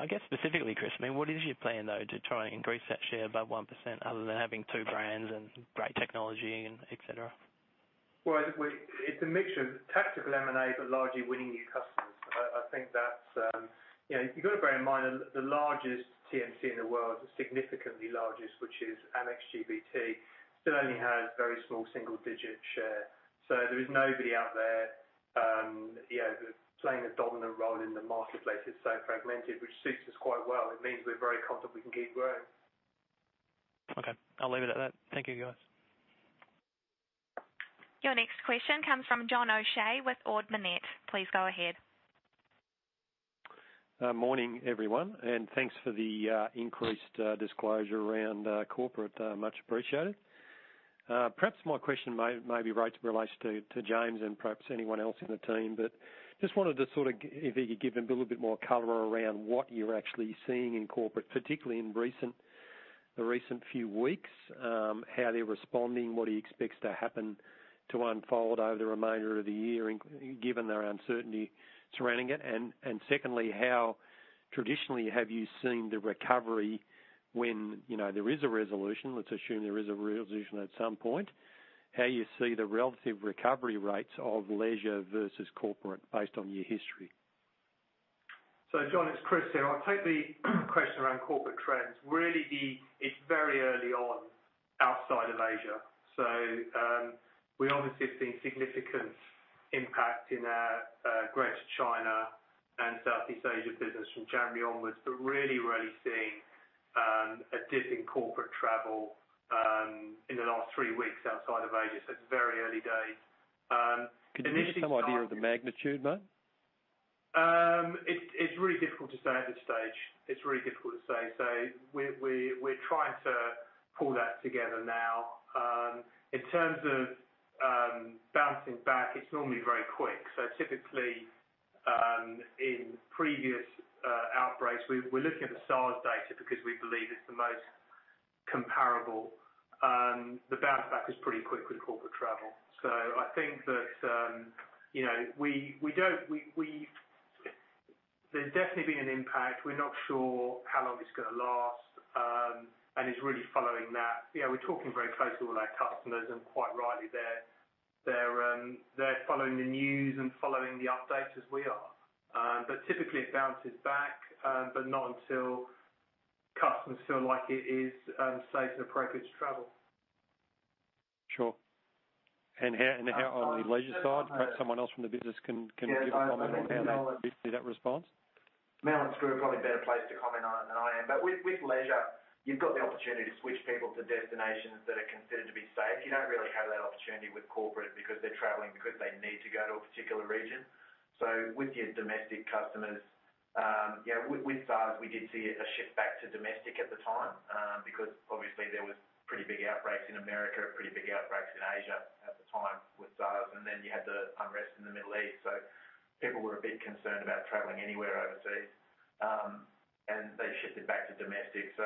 I guess specifically, Chris, I mean, what is your plan, though, to try and increase that share by 1% other than having two brands and great technology and etc.? It's a mixture of tactical M&A, but largely winning new customers. I think that's. You've got to bear in mind the largest TMC in the world, the significantly largest, which is Amex GBT, still only has a very small single-digit share. So there is nobody out there playing a dominant role in the marketplace. It's so fragmented, which suits us quite well. It means we're very confident we can keep growing. Okay. I'll leave it at that. Thank you, guys. Your next question comes from John O'Shea with Ord Minnett. Please go ahead. Morning, everyone. And thanks for the increased disclosure around corporate. Much appreciated. Perhaps my question may be related to James and perhaps anyone else in the team, but just wanted to sort of, if you could give him a little bit more color around what you're actually seeing in corporate, particularly in the recent few weeks, how they're responding, what he expects to happen to unfold over the remainder of the year given the uncertainty surrounding it. And secondly, how traditionally have you seen the recovery when there is a resolution? Let's assume there is a resolution at some point. How do you see the relative recovery rates of leisure versus corporate based on your history? So John, it's Chris here. I'll take the question around corporate trends. Really, it's very early on outside of Asia. So we obviously have seen significant impact in our greater China and Southeast Asia business from January onwards, but really, really seeing a dip in corporate travel in the last three weeks outside of Asia. So it's very early days. Can you give me some idea of the magnitude, man? It's really difficult to say at this stage. It's really difficult to say. So we're trying to pull that together now. In terms of bouncing back, it's normally very quick. So typically, in previous outbreaks, we're looking at the SARS data because we believe it's the most comparable. The bounce back was pretty quick with corporate travel. So I think that we, there's definitely been an impact. We're not sure how long it's going to last and is really following that. Yeah, we're talking very closely with our customers, and quite rightly, they're following the news and following the updates as we are. But typically, it bounces back, but not until customers feel like it is safe and appropriate to travel. Sure. And how on the leisure side? Perhaps someone else from the business can give a comment on how they see that response. Mel and Screw are probably a better place to comment on it than I am. But with leisure, you've got the opportunity to switch people to destinations that are considered to be safe. You don't really have that opportunity with corporate because they're traveling because they need to go to a particular region. So with your domestic customers, with SARS, we did see a shift back to domestic at the time because obviously, there were pretty big outbreaks in America, pretty big outbreaks in Asia at the time with SARS. And then you had the unrest in the Middle East. So people were a bit concerned about traveling anywhere overseas, and they shifted back to domestic. So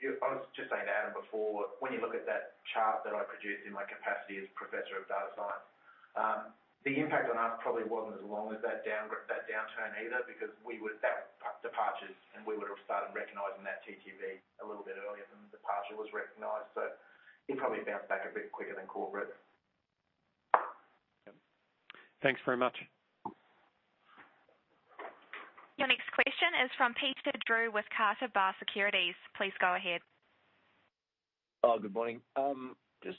I was just saying to Adam before, when you look at that chart that I produced in my capacity as Professor of Data Science, the impact on us probably wasn't as long as that downturn either because those departures, and we would have started recognizing that TTV a little bit earlier than the departure was recognized. So it probably bounced back a bit quicker than corporate. Yep. Thanks very much. Your next question is from Peter Drew with Carter Bar Securities. Please go ahead. Oh, good morning. Just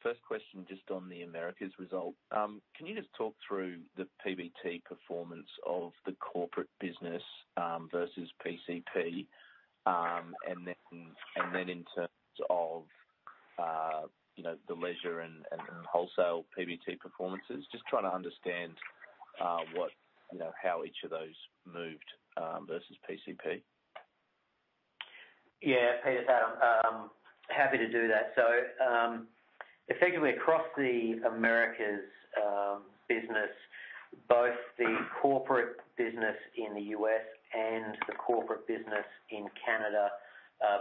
first question just on the Americas result. Can you just talk through the PBT performance of the corporate business versus PCP? And then in terms of the leisure and wholesale PBT performances, just trying to understand how each of those moved versus PCP. Yeah. Peter, it's Adam, happy to do that, so effectively, across the Americas business, both the corporate business in the U.S. and the corporate business in Canada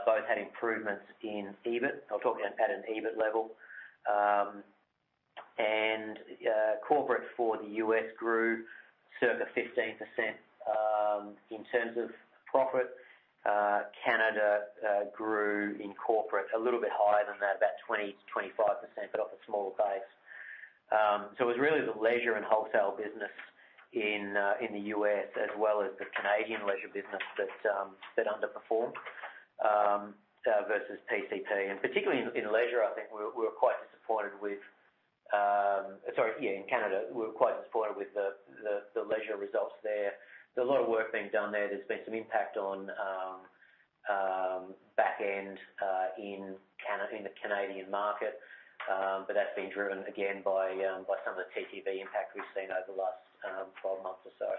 both had improvements in EBIT. I'll talk about that at an EBIT level, and corporate for the US grew circa 15% in terms of profit. Canada grew in corporate a little bit higher than that, about 20%-25%, but off a smaller base, so it was really the leisure and wholesale business in the U.S. as well as the Canadian leisure business that underperformed versus PCP. And particularly in leisure, I think we were quite disappointed with, sorry, yeah, in Canada, we were quite disappointed with the leisure results there. There's a lot of work being done there. There's been some impact on backend in the Canadian market, but that's been driven again by some of the TTV impact we've seen over the last 12 months or so.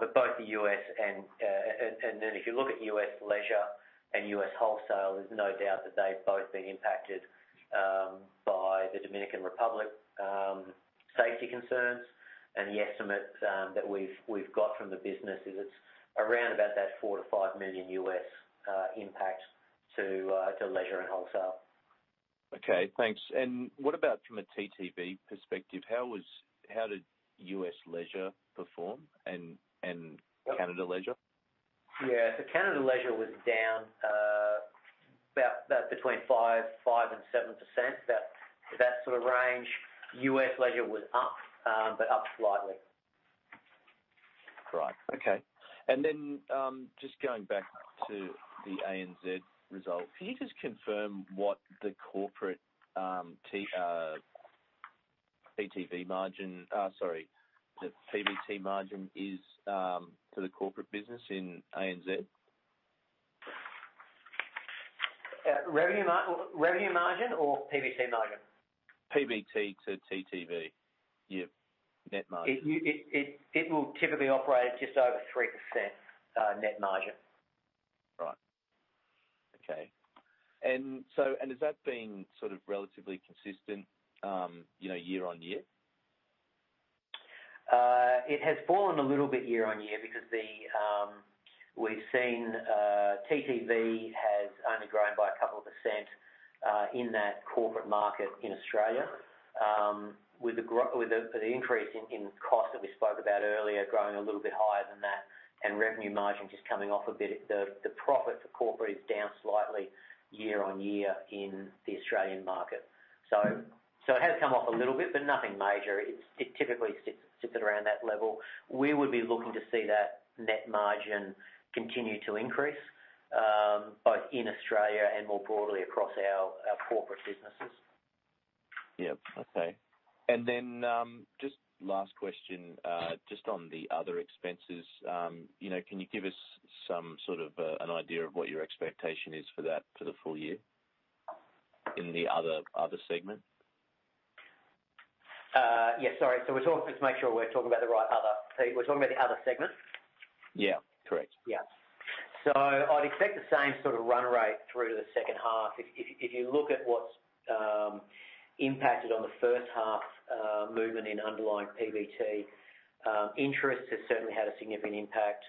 But both the U.S. and then if you look at U.S. leisure and U.S. wholesale, there's no doubt that they've both been impacted by the Dominican Republic safety concerns. And the estimate that we've got from the business is it's around about that $4 million-$5 million impact to leisure and wholesale. Okay. Thanks. And what about from a TTV perspective? How did U.S. leisure perform and Canada leisure? Yeah. So Canada leisure was down about between 5% and 7%, that sort of range. US leisure was up, but up slightly. Right. Okay. And then just going back to the ANZ result, can you just confirm what the corporate PBT margin, sorry, the PBT margin is for the corporate business in ANZ? Revenue margin or PBT margin? PBT to TTV, your net margin. It will typically operate at just over 3% net margin. Right. Okay, and so has that been sort of relatively consistent year-on-year? It has fallen a little bit year-on-year because we've seen TTV has only grown by a couple of percent in that corporate market in Australia, with the increase in cost that we spoke about earlier growing a little bit higher than that and revenue margin just coming off a bit. The profit for corporate is down slightly year on year in the Australian market. So it has come off a little bit, but nothing major. It typically sits at around that level. We would be looking to see that net margin continue to increase both in Australia and more broadly across our corporate businesses. Yep. Okay. And then just last question, just on the other expenses, can you give us some sort of an idea of what your expectation is for that for the full year in the other segment? Yeah. Sorry. So we're talking to make sure we're talking about the right one. We're talking about the other segment? Yeah. Correct. Yeah. So I'd expect the same sort of run rate through to the second half. If you look at what's impacted on the first half movement in underlying PBT, interest has certainly had a significant impact.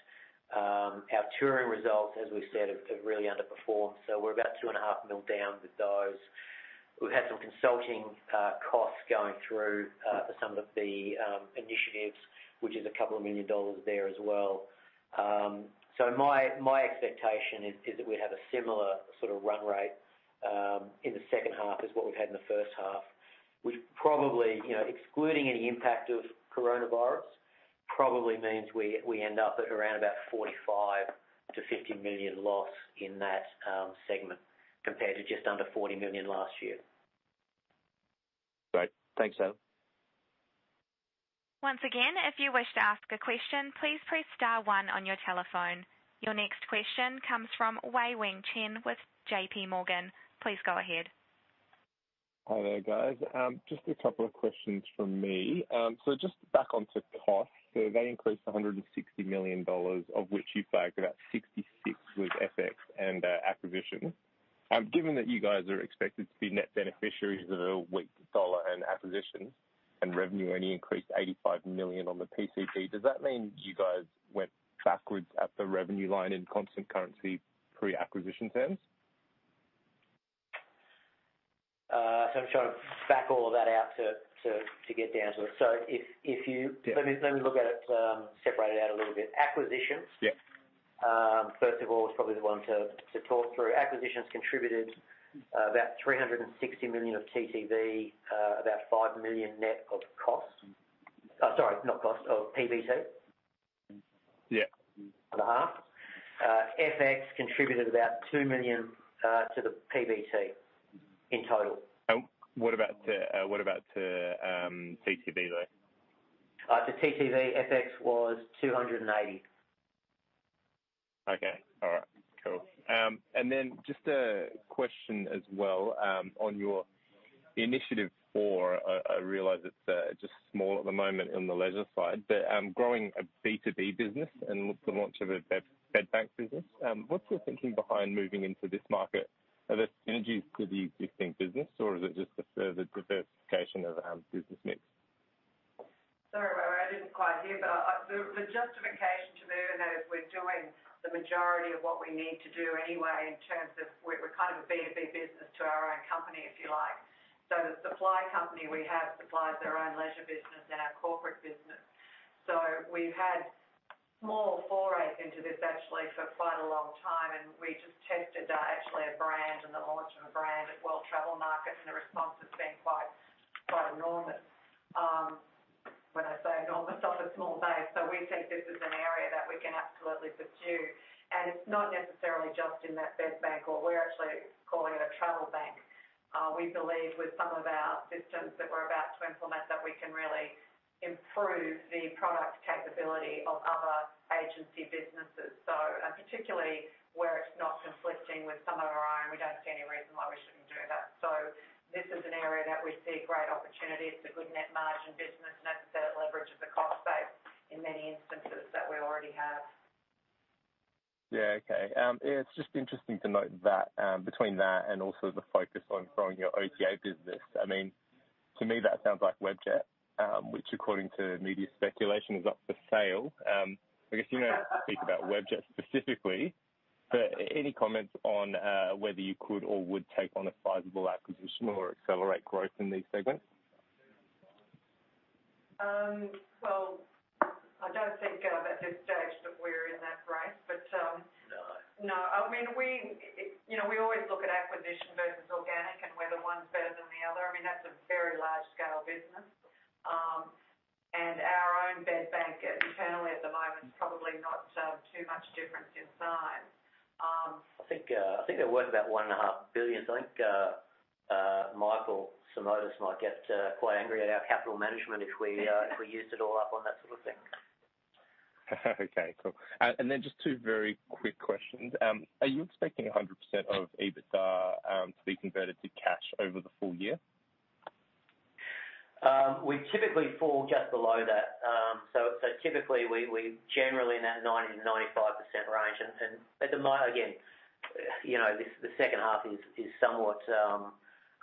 Our touring results, as we've said, have really underperformed. So we're about 2.5 million down with those. We've had some consulting costs going through for some of the initiatives, which is a couple of million dollars there as well. So my expectation is that we'd have a similar sort of run rate in the second half as what we've had in the first half, which probably, excluding any impact of coronavirus, probably means we end up at around about 45 million-50 million loss in that segment compared to just under 40 million last year. Great. Thanks, Adam. Once again, if you wish to ask a question, please press star one on your telephone. Your next question comes from Wei-Weng Chen with JPMorgan. Please go ahead. Hi there, guys. Just a couple of questions from me. So just back onto costs. So they increased 160 million dollars, of which you flagged about 66 million with FX and acquisition. Given that you guys are expected to be net beneficiaries of a weak dollar and acquisitions and revenue, only increased 85 million on the PCP, does that mean you guys went backwards at the revenue line in constant currency pre-acquisition terms? So I'm trying to back all of that out to get down to it. So if you let me look at it, separate it out a little bit. Acquisitions, first of all, is probably the one to talk through. Acquisitions contributed about 360 million of TTV, about 5 million net of cost. Sorry, not cost, of PBT. Yeah. And a half. FX contributed about 2 million to the PBT in total. What about the TTV, though? Total TTV, FX was AUD 280 million. Okay. All right. Cool. And then just a question as well on your initiative for—I realize it's just small at the moment on the leisure side—but growing a B2B business and the launch of a bed bank business. What's your thinking behind moving into this market? Are there synergies to the existing business, or is it just a further diversification of business mix? Sorry, Wei-Weng. I didn't quite hear, but the justification to move in there is we're doing the majority of what we need to do anyway in terms of we're kind of a B2B business to our own company, if you like. So the supply company we have supplies their own leisure business and our corporate business. So we've had small forays into this actually for quite a long time, and we just tested actually a brand and the launch of a brand at World Travel Market, and the response has been quite enormous. When I say enormous, off a small base. So we think this is an area that we can absolutely pursue. It is not necessarily just in that bed bank, or we're actually calling it a travel bank. We believe with some of our systems that we're about to implement that we can really improve the product capability of other agency businesses. So particularly where it's not conflicting with some of our own, we don't see any reason why we shouldn't do that. So this is an area that we see great opportunity. It's a good net margin business, and that's a leverage of the cost base in many instances that we already have. Yeah. Okay. It's just interesting to note that between that and also the focus on growing your OTA business. I mean, to me, that sounds like Webjet, which according to media speculation is up for sale. I guess you know how to speak about Webjet specifically, but any comments on whether you could or would take on a sizable acquisition or accelerate growth in these segments? I don't think at this stage that we're in that race. No. I mean, we always look at acquisition versus organic, and where the one's better than the other. I mean, that's a very large-scale business. And our own bed bank internally at the moment is probably not too much difference in size. I think they're worth about 1.5 billion. So I think Michael Simotas might get quite angry at our capital management if we used it all up on that sort of thing. Okay. Cool. And then just two very quick questions. Are you expecting 100% of EBITDA to be converted to cash over the full year? We typically fall just below that. So typically, we're generally in that 90%-95% range. And again, the second half is somewhat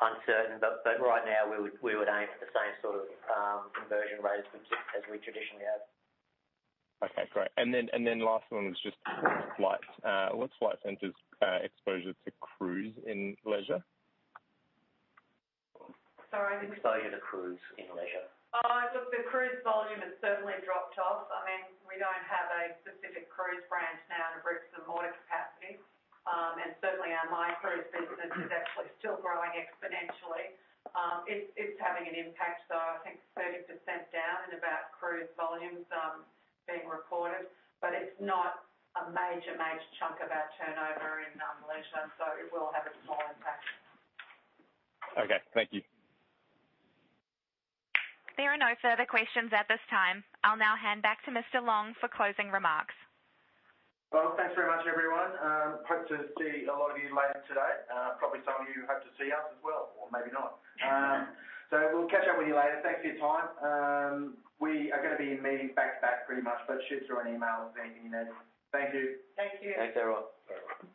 uncertain, but right now, we would aim for the same sort of conversion rate as we traditionally have. Okay. Great, and then last one was just Flight. What's Flight Centre's exposure to cruise in leisure? Sorry, I didn't. Exposure to cruise in leisure. Oh, look, the cruise volume has certainly dropped off. I mean, we don't have a specific cruise branch now in the bricks and mortar capacity, and certainly, our My Cruise business is actually still growing exponentially. It's having an impact, so I think 30% down in about cruise volumes being reported, but it's not a major, major chunk of our turnover in leisure, so it will have a small impact. Okay. Thank you. There are no further questions at this time. I'll now hand back to Mr. Long for closing remarks. Thanks very much, everyone. Hope to see a lot of you later today. Probably some of you hope to see us as well, or maybe not. So we'll catch up with you later. Thanks for your time. We are going to be meeting back-to-back pretty much, but shoot through an email if there's anything you need. Thank you. Thank you. Thanks, everyone.